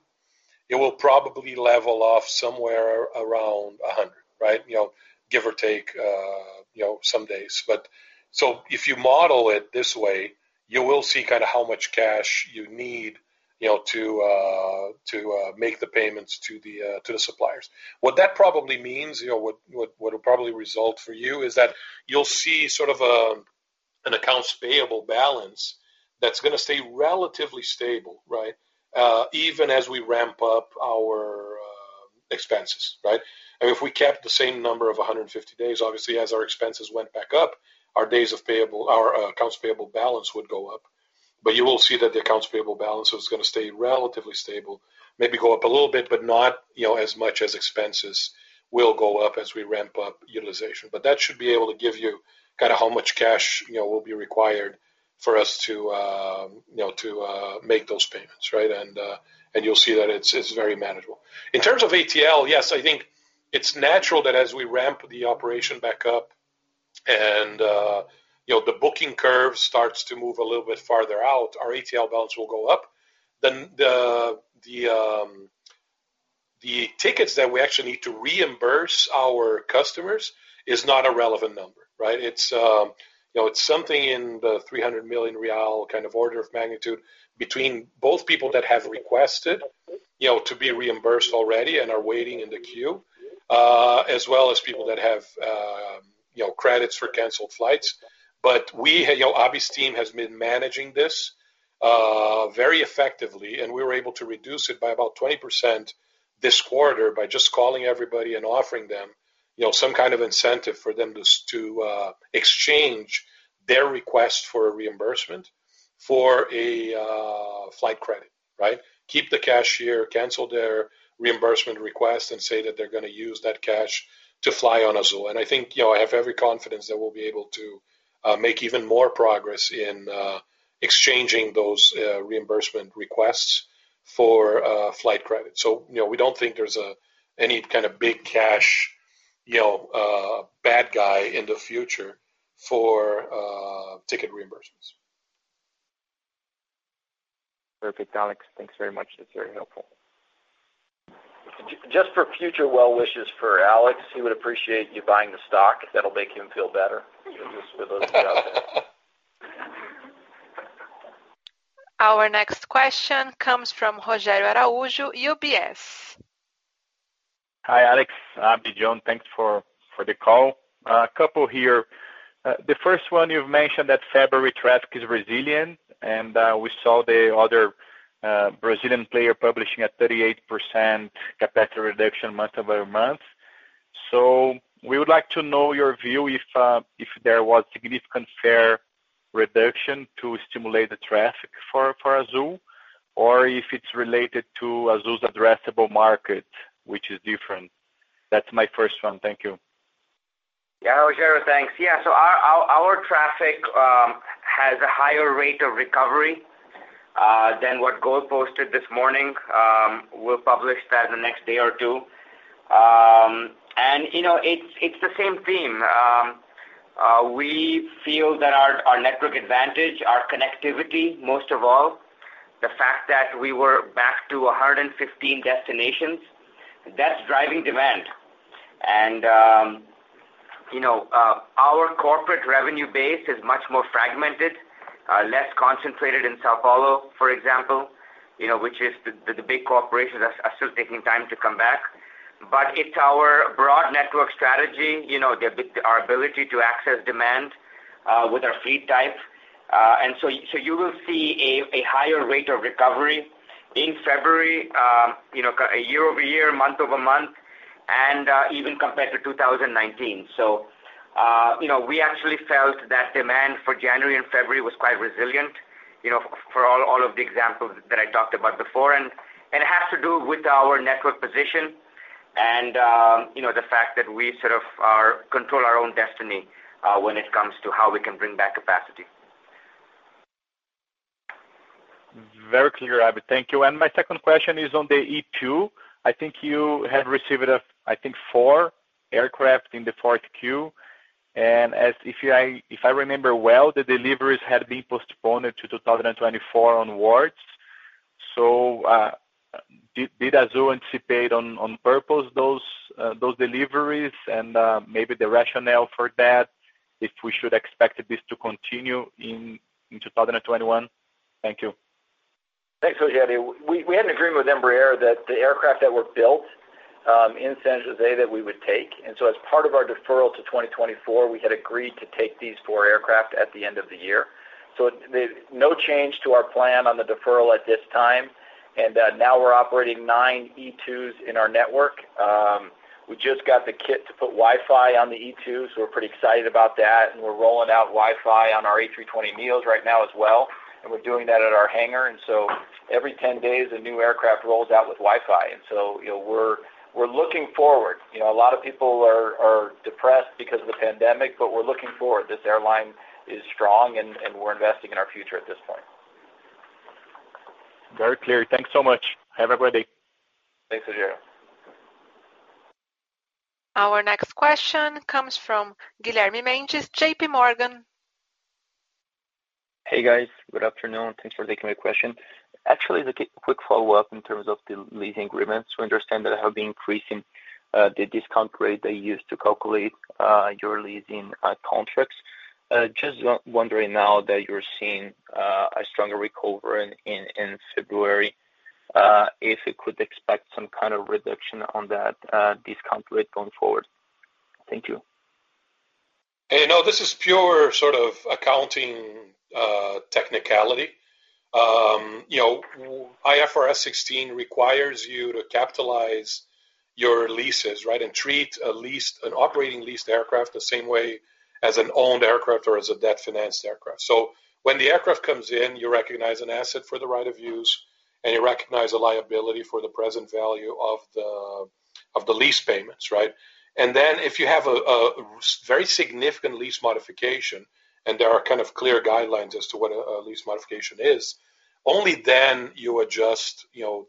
It will probably level off somewhere around 100 days, right? Give or take some days. If you model it this way, you will see how much cash you need to make the payments to the suppliers. What that probably means, what will probably result for you is that you'll see sort of an accounts payable balance that's going to stay relatively stable, right? Even as we ramp up our expenses, right? If we kept the same number of 150 days, obviously, as our expenses went back up, our accounts payable balance would go up. You will see that the accounts payable balance is going to stay relatively stable, maybe go up a little bit, but not as much as expenses will go up as we ramp up utilization. That should be able to give you how much cash will be required for us to make those payments, right? You'll see that it's very manageable. In terms of ATR, yes, I think it's natural that as we ramp the operation back up and the booking curve starts to move a little bit farther out, our ATR balance will go up. The tickets that we actually need to reimburse our customers is not a relevant number, right? It's something in the 300 million real kind of order of magnitude between both people that have requested to be reimbursed already and are waiting in the queue, as well as people that have credits for canceled flights. Abhi's team has been managing this very effectively, and we were able to reduce it by about 20% this quarter by just calling everybody and offering them some kind of incentive for them to exchange their request for a reimbursement for a flight credit, right? Keep the cash here, cancel their reimbursement request, and say that they're going to use that cash to fly on Azul. I think I have every confidence that we'll be able to make even more progress in exchanging those reimbursement requests for flight credit. We don't think there's any kind of big cash bad guy in the future for ticket reimbursements. Perfect, Alex. Thanks very much. That's very helpful. Just for future well-wishes for Alex, he would appreciate you buying the stock if that'll make him feel better. Just for those out there. Our next question comes from Rogério Araújo, UBS. Hi, Alex, Abhi, John. Thanks for the call. A couple here. The first one, you've mentioned that February traffic is resilient, and we saw the other Brazilian player publishing a 38% capacity reduction month-over-month. We would like to know your view if there was significant fare reduction to stimulate the traffic for Azul, or if it's related to Azul's addressable market, which is different. That's my first one. Thank you. Rogério, thanks. Our traffic has a higher rate of recovery than what Gol posted this morning. We'll publish that in the next day or two. It's the same theme. We feel that our network advantage, our connectivity, most of all, the fact that we were back to 115 destinations, that's driving demand. Our corporate revenue base is much more fragmented, less concentrated in São Paulo, for example, which is the big corporations are still taking time to come back. It's our broad network strategy, our ability to access demand with our fleet type. You will see a higher rate of recovery in February, year-over-year, month-over-month, and even compared to 2019. We actually felt that demand for January and February was quite resilient, for all of the examples that I talked about before. It has to do with our network position and the fact that we sort of control our own destiny when it comes to how we can bring back capacity. Very clear, Abhi. Thank you. My second question is on the E2. I think you had received, I think, four aircraft in the 4Q. If I remember well, the deliveries had been postponed to 2024 onwards. Did Azul anticipate on purpose those deliveries and maybe the rationale for that, if we should expect this to continue in 2021? Thank you. Thanks, Rogério. We had an agreement with Embraer that the aircraft that were built in São José, that we would take. As part of our deferral to 2024, we had agreed to take these four aircraft at the end of the year. No change to our plan on the deferral at this time. We're operating nine E2s in our network. We just got the kit to put Wi-Fi on the E2s. We're pretty excited about that, and we're rolling out Wi-Fi on our A320neos right now as well, and we're doing that at our hangar. Every 10 days, a new aircraft rolls out with Wi-Fi. We're looking forward. A lot of people are depressed because of the pandemic, but we're looking forward. This airline is strong, and we're investing in our future at this point. Very clear. Thanks so much. Have a great day. Thanks, Rogério. Our next question comes from Guilherme Mendes, JPMorgan. Hey, guys. Good afternoon. Thanks for taking my question. Actually, a quick follow-up in terms of the leasing agreements. We understand that have been increasing the discount rate they used to calculate your leasing contracts. Just wondering now that you're seeing a stronger recovery in February, if we could expect some kind of reduction on that discount rate going forward. Thank you. No, this is pure sort of accounting technicality. IFRS 16 requires you to capitalize your leases, right? Treat an operating leased aircraft the same way as an owned aircraft or as a debt-financed aircraft. When the aircraft comes in, you recognize an asset for the right of use, and you recognize a liability for the present value of the lease payments, right? If you have a very significant lease modification, and there are kind of clear guidelines as to what a lease modification is, only then you adjust, you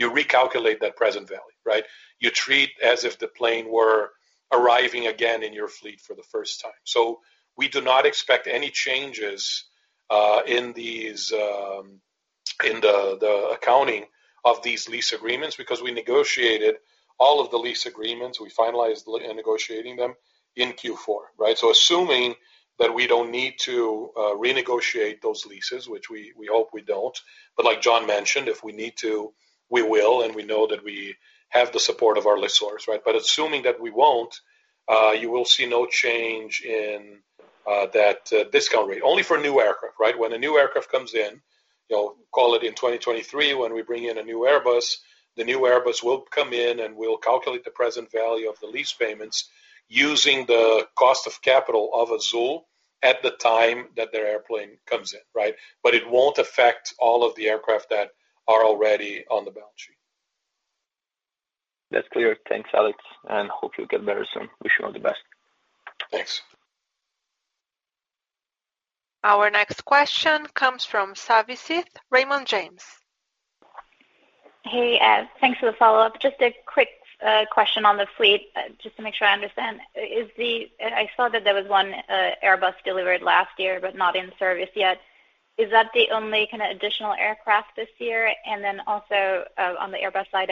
recalculate that present value, right? You treat as if the plane were arriving again in your fleet for the first time. We do not expect any changes in the accounting of these lease agreements because we negotiated all of the lease agreements. We finalized negotiating them in Q4, right? Assuming that we don't need to renegotiate those leases, which we hope we don't, but like John mentioned, if we need to, we will, and we know that we have the support of our lessors, right? Assuming that we won't, you will see no change in that discount rate. Only for new aircraft, right? When a new aircraft comes in, call it in 2023 when we bring in a new Airbus, the new Airbus will come in, and we'll calculate the present value of the lease payments using the cost of capital of Azul at the time that their airplane comes in, right? It won't affect all of the aircraft that are already on the balance sheet. That's clear. Thanks, Alex, and hope you get better soon. Wish you all the best. Thanks. Our next question comes from Savanthi Syth, Raymond James. Hey, thanks for the follow-up. Just a quick question on the fleet, just to make sure I understand. I saw that there was one Airbus delivered last year, but not in service yet. Is that the only kind of additional aircraft this year? On the Airbus side,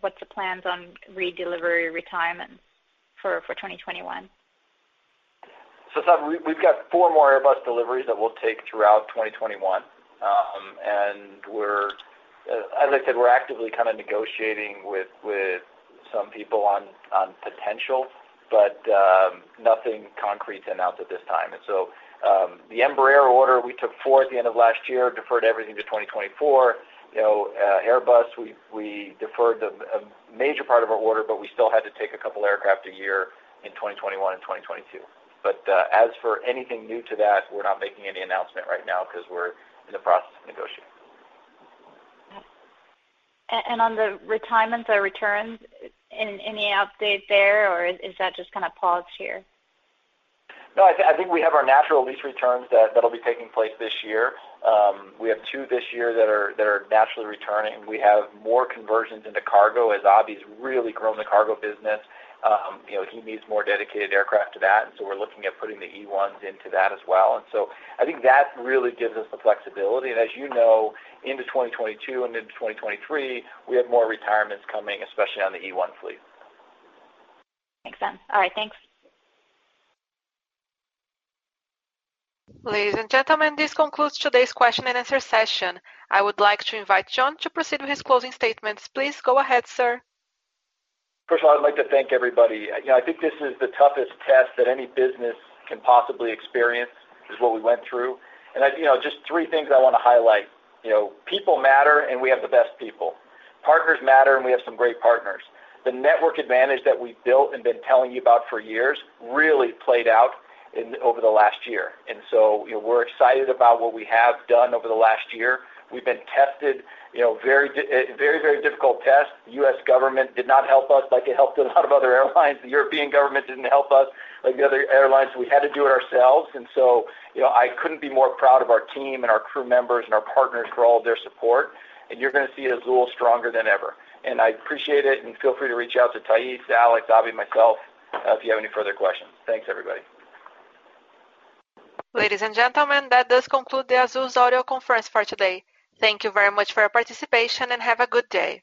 what's the plans on redelivery retirement for 2021? Savanthi, we've got four more Airbus deliveries that we'll take throughout 2021. As I said, we're actively kind of negotiating with some people on potential, but nothing concrete to announce at this time. The Embraer order, we took four at the end of last year, deferred everything to 2024. Airbus, we deferred a major part of our order, but we still had to take a couple aircraft a year in 2021 and 2022. As for anything new to that, we're not making any announcement right now because we're in the process of negotiating. On the retirements or returns, any update there, or is that just kind of paused here? No, I think we have our natural lease returns that'll be taking place this year. We have two this year that are naturally returning. We have more conversions into cargo, as Abhi's really grown the cargo business. He needs more dedicated aircraft to that, we're looking at putting the E1s into that as well. I think that really gives us the flexibility. As you know, into 2022 and into 2023, we have more retirements coming, especially on the E1 fleet. Makes sense. All right. Thanks. Ladies and gentlemen, this concludes today's question and answer session. I would like to invite John to proceed with his closing statements. Please go ahead, sir. First of all, I'd like to thank everybody. I think this is the toughest test that any business can possibly experience, is what we went through. Just three things I want to highlight. People matter, and we have the best people. Partners matter, and we have some great partners. The network advantage that we've built and been telling you about for years really played out over the last year. We're excited about what we have done over the last year. We've been tested, very difficult test. U.S. government did not help us like it helped a lot of other airlines. The European government didn't help us like the other airlines. We had to do it ourselves. I couldn't be more proud of our team and our crew members and our partners for all of their support, and you're going to see Azul stronger than ever. I appreciate it, and feel free to reach out to Thaís, Alex, Abhi, myself if you have any further questions. Thanks, everybody. Ladies and gentlemen, that does conclude the Azul's audio conference for today. Thank you very much for your participation, and have a good day.